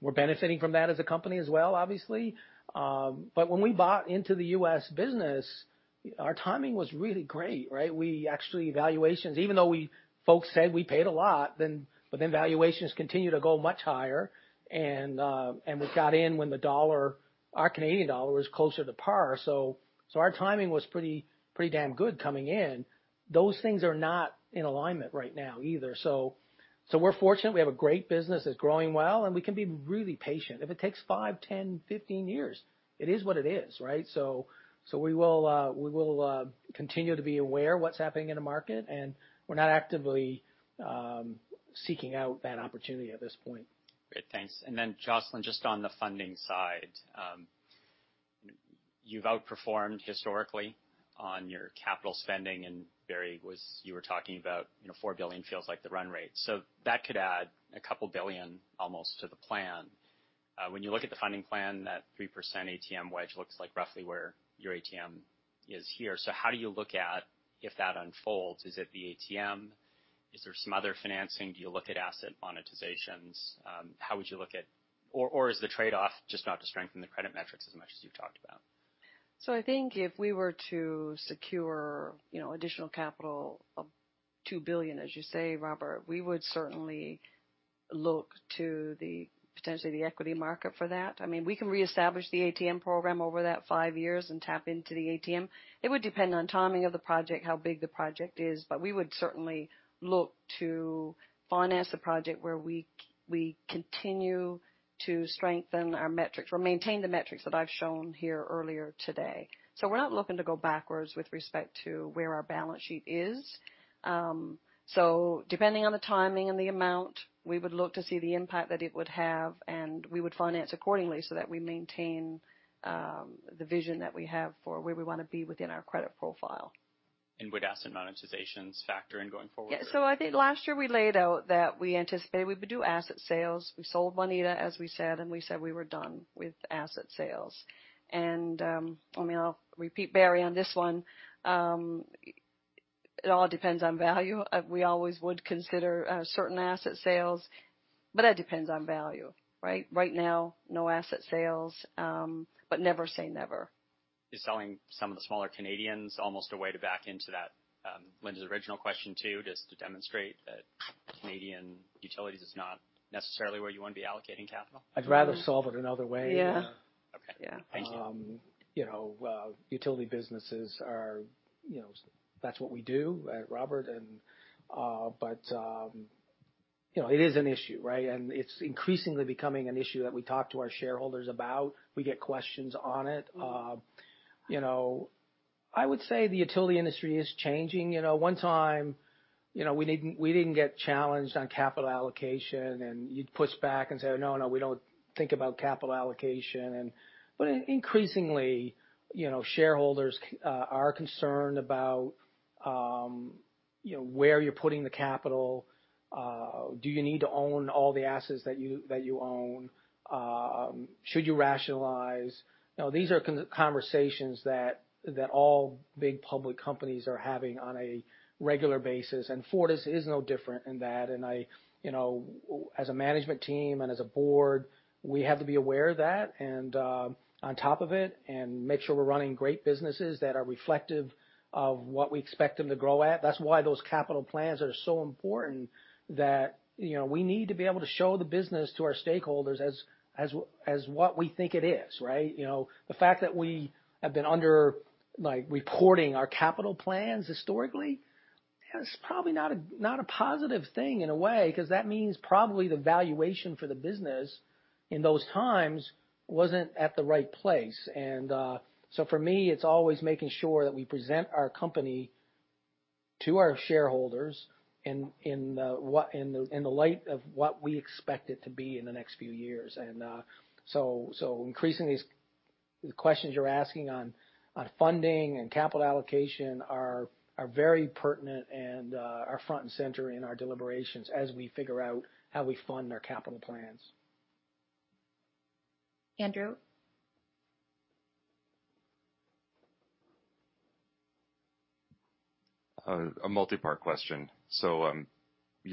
C: We're benefiting from that as a company as well, obviously. When we bought into the U.S. business, our timing was really great, right? Valuations, even though folks said we paid a lot, valuations continued to go much higher, and we got in when the dollar, our Canadian dollar, was closer to par. Our timing was pretty damn good coming in. Those things are not in alignment right now either. We're fortunate. We have a great business that's growing well, and we can be really patient. If it takes five, 10, 15 years, it is what it is, right? We will continue to be aware of what's happening in the market, and we're not actively seeking out that opportunity at this point.
K: Great. Thanks. Then Jocelyn, just on the funding side. You've outperformed historically on your capital spending, and Barry, you were talking about 4 billion feels like the run rate. That could add a couple of billion almost to the plan. When you look at the funding plan, that 3% ATM wedge looks like roughly where your ATM is here. How do you look at if that unfolds? Is it the ATM? Is there some other financing? Do you look at asset monetizations? How would you look at, or is the trade-off just not to strengthen the credit metrics as much as you've talked about?
H: I think if we were to secure additional capital of 2 billion, as you say, Robert, we would certainly look to potentially the equity market for that. We can reestablish the ATM program over that five years and tap into the ATM. It would depend on the timing of the project, how big the project is, but we would certainly look to finance a project where we continue to strengthen our metrics or maintain the metrics that I've shown here earlier today. We're not looking to go backwards with respect to where our balance sheet is. Depending on the timing and the amount, we would look to see the impact that it would have, and we would finance accordingly so that we maintain the vision that we have for where we want to be within our credit profile.
K: Would asset monetizations factor in going forward?
H: Yeah. I think last year we laid out that we anticipated we would do asset sales. We sold Waneta, as we said, and we said we were done with asset sales. I'll repeat Barry on this one. It all depends on value. We always would consider certain asset sales, but that depends on value, right? Right now, no asset sales, but never say never.
K: Is selling some of the smaller Canadians almost a way to back into that? Linda's original question, too, just to demonstrate that Canadian Utilities is not necessarily where you want to be allocating capital?
C: I'd rather solve it another way.
H: Yeah.
K: Okay. Thank you.
C: That's what we do, Robert. It is an issue, right? It's increasingly becoming an issue that we talk to our shareholders about. We get questions on it. I would say the utility industry is changing. One time, we didn't get challenged on capital allocation, and you'd push back and say, "No, we don't think about capital allocation." Increasingly, shareholders are concerned about where you're putting the capital. Do you need to own all the assets that you own? Should you rationalize? These are conversations that all big public companies are having on a regular basis, and Fortis is no different in that. As a management team and as a board, we have to be aware of that and on top of it and make sure we're running great businesses that are reflective of what we expect them to grow at. That's why those capital plans are so important that we need to be able to show the business to our stakeholders as what we think it is, right? The fact that we have been under-reporting our capital plans historically, it's probably not a positive thing in a way, because that means probably the valuation for the business in those times wasn't at the right place. For me, it's always making sure that we present our company to our shareholders in the light of what we expect it to be in the next few years. Increasingly, the questions you're asking on funding and capital allocation are very pertinent and are front and center in our deliberations as we figure out how we fund our capital plans.
I: Andrew?
L: A multi-part question. You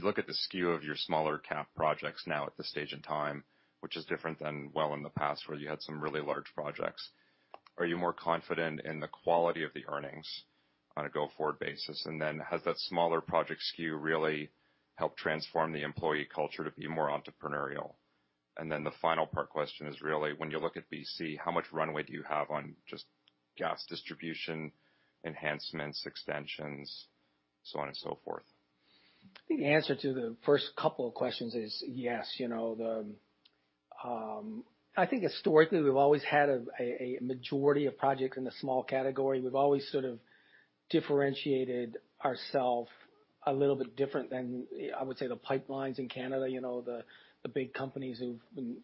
L: look at the skew of your smaller cap projects now at this stage in time, which is different than well in the past where you had some really large projects. Are you more confident in the quality of the earnings on a go-forward basis? Has that smaller project skew really helped transform the employee culture to be more entrepreneurial? The final part question is really when you look at BC, how much runway do you have on just gas distribution, enhancements, extensions, so on and so forth?
C: The answer to the first couple of questions is yes. I think historically, we've always had a majority of projects in the small category. We've always sort of differentiated ourself a little bit different than, I would say, the pipelines in Canada, the big companies who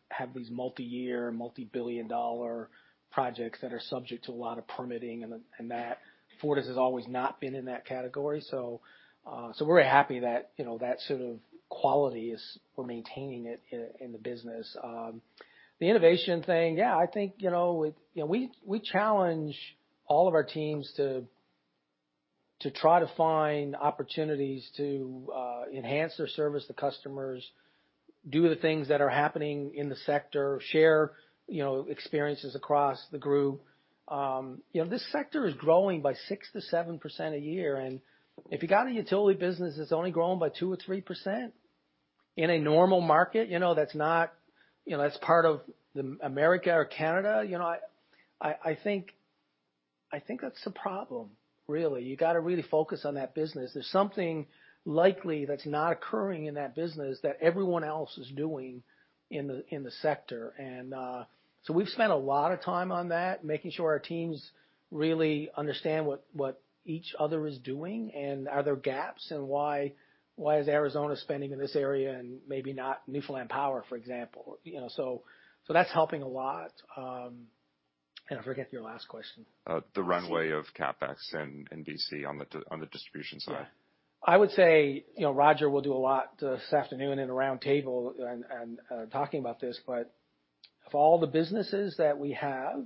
C: have these multi-year, multi-billion-dollar projects that are subject to a lot of permitting and that. Fortis has always not been in that category. We're happy that sort of quality is, we're maintaining it in the business. The innovation thing, yeah, I think, we challenge all of our teams to try to find opportunities to enhance their service to customers, do the things that are happening in the sector, share experiences across the group. This sector is growing by 6%-7% a year. If you got a utility business that's only growing by 2% or 3% in a normal market, that's part of America or Canada, I think that's a problem, really. You got to really focus on that business. There's something likely that's not occurring in that business that everyone else is doing in the sector. We've spent a lot of time on that, making sure our teams really understand what each other is doing and are there gaps and why is Arizona spending in this area and maybe not Newfoundland Power, for example. That's helping a lot. I forget your last question.
L: The runway of CapEx in BC on the distribution side.
C: I would say, Roger will do a lot this afternoon in a roundtable and talking about this. Of all the businesses that we have,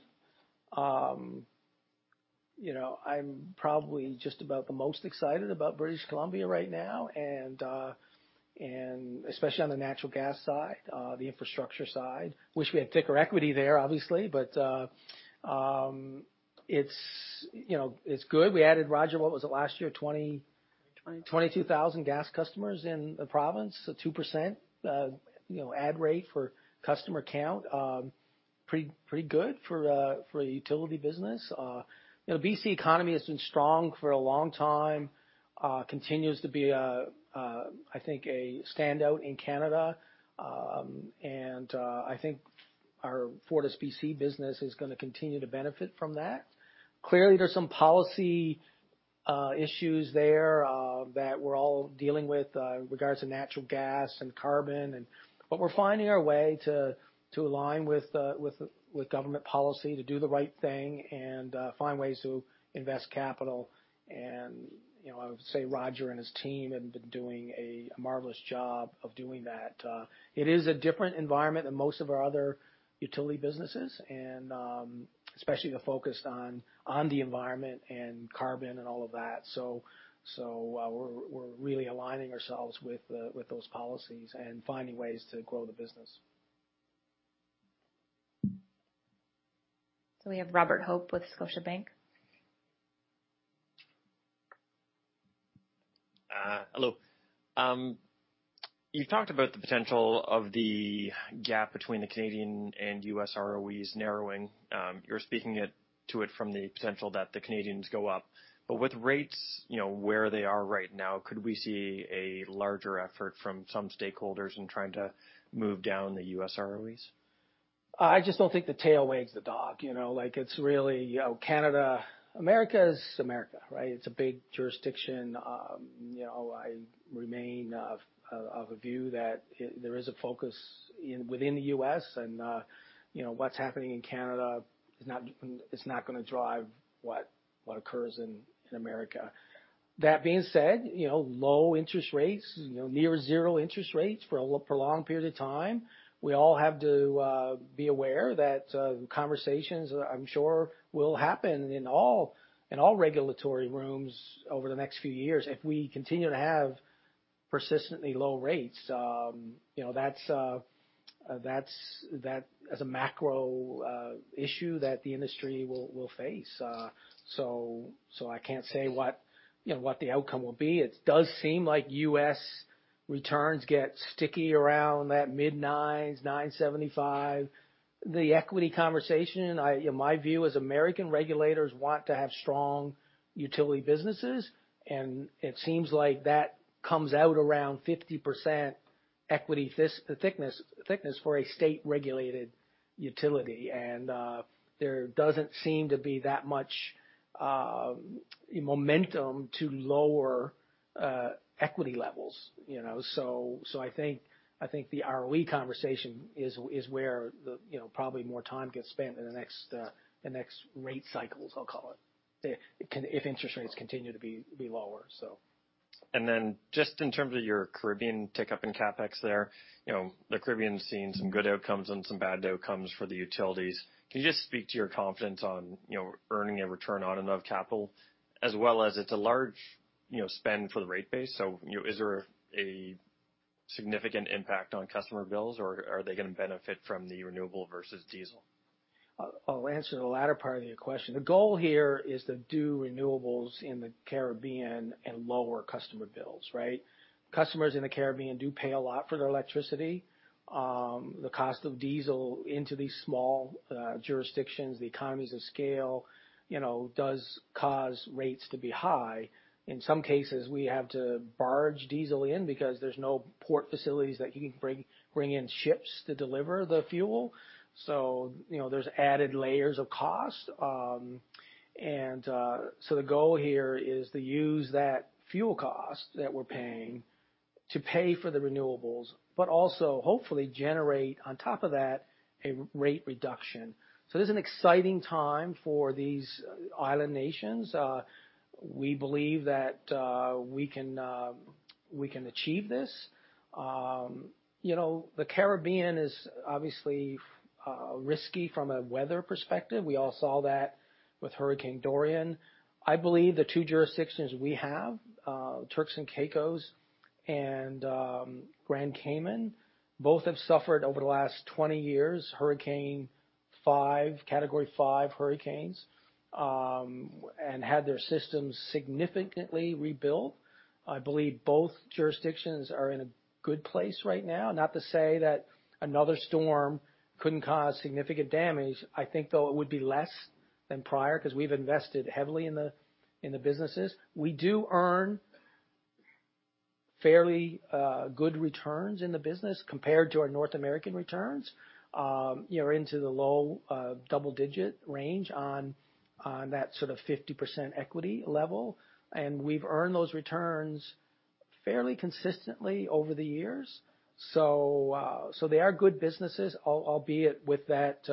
C: I'm probably just about the most excited about British Columbia right now, and especially on the natural gas side, the infrastructure side. I wish we had thicker equity there, obviously, but it's good. We added, Roger, what was it last year? 20-
E: 20.
C: 22,000 gas customers in the province, so 2% add rate for customer count. Pretty good for a utility business. BC economy has been strong for a long time, continues to be, I think, a standout in Canada. I think our FortisBC business is going to continue to benefit from that. Clearly, there's some policy issues there that we're all dealing with regards to natural gas and carbon, but we're finding our way to align with government policy to do the right thing and find ways to invest capital. I would say Roger and his team have been doing a marvelous job of doing that. It is a different environment than most of our other utility businesses, and especially the focus on the environment and carbon and all of that. We're really aligning ourselves with those policies and finding ways to grow the business.
I: We have Robert Hope with Scotiabank.
M: Hello. You've talked about the potential of the gap between the Canadian and U.S. ROEs narrowing. You're speaking to it from the potential that the Canadians go up. With rates where they are right now, could we see a larger effort from some stakeholders in trying to move down the U.S. ROEs?
C: I just don't think the tail wags the dog. America is America, right? It's a big jurisdiction. I remain of a view that there is a focus within the U.S. and what's happening in Canada is not going to drive what occurs in America. That being said, low interest rates, near zero interest rates for a prolonged period of time. We all have to be aware that conversations, I'm sure, will happen in all regulatory rooms over the next few years. If we continue to have persistently low rates, that's a macro issue that the industry will face. I can't say what the outcome will be. It does seem like U.S. returns get sticky around that mid-nines, 9.75%. The equity conversation, my view is American regulators want to have strong utility businesses, and it seems like that comes out around 50% equity thickness for a state-regulated utility. There doesn't seem to be that much momentum to lower equity levels. I think the ROE conversation is where probably more time gets spent in the next rate cycles, I'll call it, if interest rates continue to be lower.
M: Just in terms of your Caribbean tick-up in CapEx there, the Caribbean's seen some good outcomes and some bad outcomes for the utilities. Can you just speak to your confidence on earning a return on enough capital as well as it's a large spend for the rate base? Is there a significant impact on customer bills, or are they going to benefit from the renewable versus diesel?
C: I'll answer the latter part of your question. The goal here is to do renewables in the Caribbean and lower customer bills, right? Customers in the Caribbean do pay a lot for their electricity. The cost of diesel into these small jurisdictions, the economies of scale, does cause rates to be high. In some cases, we have to barge diesel in because there's no port facilities that can bring in ships to deliver the fuel. There's added layers of cost. The goal here is to use that fuel cost that we're paying to pay for the renewables, but also hopefully generate on top of that a rate reduction. This is an exciting time for these island nations. We believe that we can achieve this. The Caribbean is obviously risky from a weather perspective. We all saw that with Hurricane Dorian. I believe the two jurisdictions we have, Turks and Caicos and Grand Cayman, both have suffered over the last 20 years, Category 5 hurricanes, and had their systems significantly rebuilt. I believe both jurisdictions are in a good place right now. Not to say that another storm couldn't cause significant damage. I think, though, it would be less than prior because we've invested heavily in the businesses. We do earn fairly good returns in the business compared to our North American returns. We're into the low double-digit range on that sort of 50% equity level, and we've earned those returns fairly consistently over the years. They are good businesses, albeit with that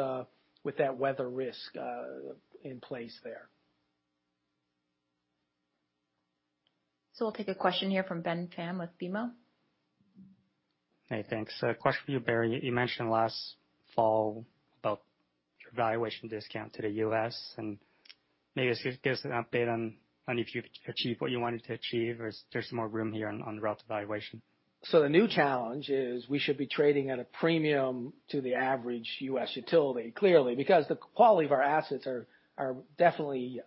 C: weather risk in place there.
I: We'll take a question here from Ben Pham with BMO.
N: Hey, thanks. A question for you, Barry. You mentioned last fall about your valuation discount to the U.S., and maybe just give us an update on if you've achieved what you wanted to achieve, or if there's more room here on relative valuation.
C: The new challenge is we should be trading at a premium to the average U.S. utility, clearly, because the quality of our assets are definitely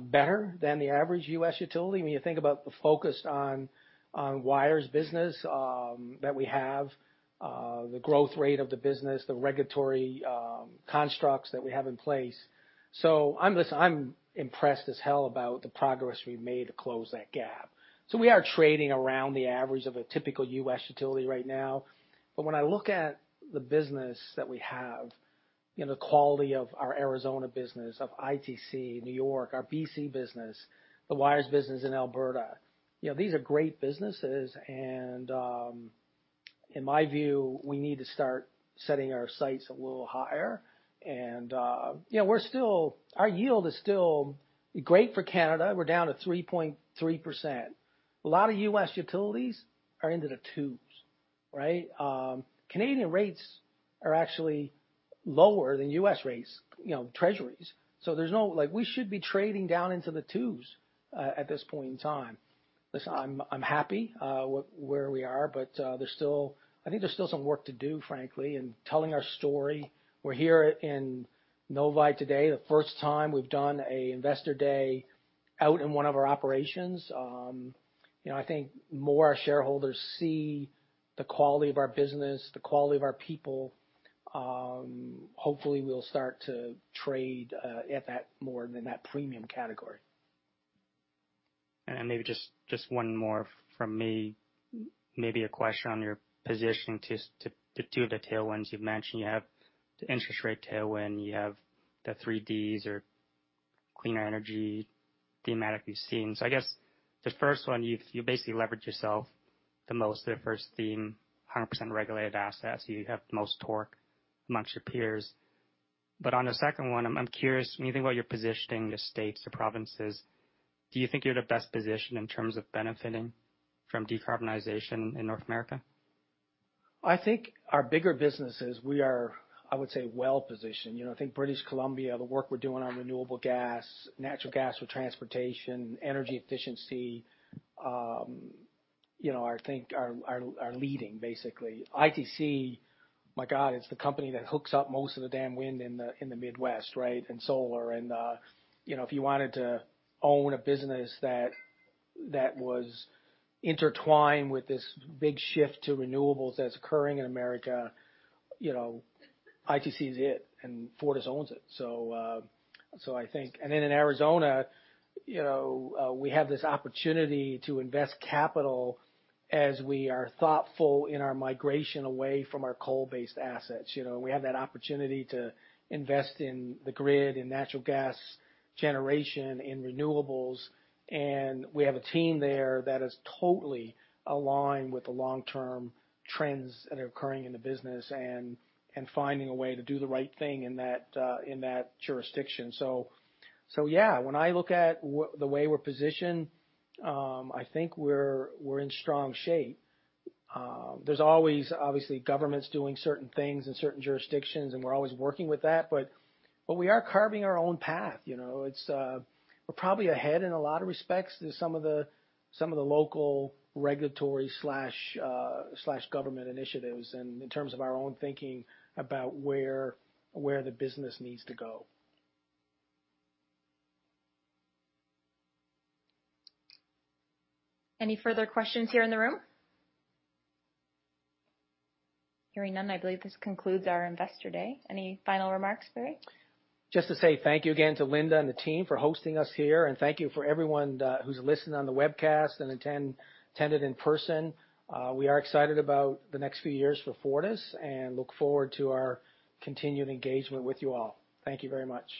C: better than the average U.S. utility. When you think about the focus on wires business that we have, the growth rate of the business, the regulatory constructs that we have in place. I'm impressed as hell about the progress we've made to close that gap. We are trading around the average of a typical U.S. utility right now. When I look at the business that we have, the quality of our Arizona business, of ITC, New York, our BC business, the wires business in Alberta, these are great businesses. In my view, we need to start setting our sights a little higher. Our yield is still great for Canada. We're down to 3.3%. A lot of U.S. utilities are into the twos, right? Canadian rates are actually lower than U.S. rates, treasuries. We should be trading down into the twos at this point in time. Listen, I'm happy where we are, but I think there's still some work to do, frankly, in telling our story. We're here in Nova today, the first time we've done an investor day out in one of our operations. I think more our shareholders see the quality of our business, the quality of our people. Hopefully, we'll start to trade at that more than that premium category.
N: Maybe just one more from me. Maybe a question on your positioning to two of the tailwinds you've mentioned. You have the interest rate tailwind, you have the 3Ds or cleaner energy thematic you've seen. I guess the first one, you basically leverage yourself the most, the first theme, 100% regulated assets. You have the most torque amongst your peers. On the second one, I'm curious, when you think about your positioning, the states, the provinces, do you think you're in the best position in terms of benefiting from decarbonization in North America?
C: I think our bigger business is we are, I would say, well-positioned. I think British Columbia, the work we're doing on renewable gas, natural gas for transportation, energy efficiency, I think are leading, basically. ITC, my God, it's the company that hooks up most of the damn wind in the Midwest, right? Solar, and if you wanted to own a business that was intertwined with this big shift to renewables that's occurring in America, ITC is it, and Fortis owns it. Then in Arizona, we have this opportunity to invest capital as we are thoughtful in our migration away from our coal-based assets. We have that opportunity to invest in the grid, in natural gas generation, in renewables, and we have a team there that is totally aligned with the long-term trends that are occurring in the business and finding a way to do the right thing in that jurisdiction. Yeah, when I look at the way we're positioned, I think we're in strong shape. There's always, obviously, governments doing certain things in certain jurisdictions, and we're always working with that, but we are carving our own path. We're probably ahead in a lot of respects to some of the local regulatory/government initiatives and in terms of our own thinking about where the business needs to go.
I: Any further questions here in the room? Hearing none, I believe this concludes our Investor Day. Any final remarks, Barry?
C: Just to say thank you again to Linda and the team for hosting us here, thank you for everyone who's listened on the webcast and attended in person. We are excited about the next few years for Fortis and look forward to our continued engagement with you all. Thank you very much.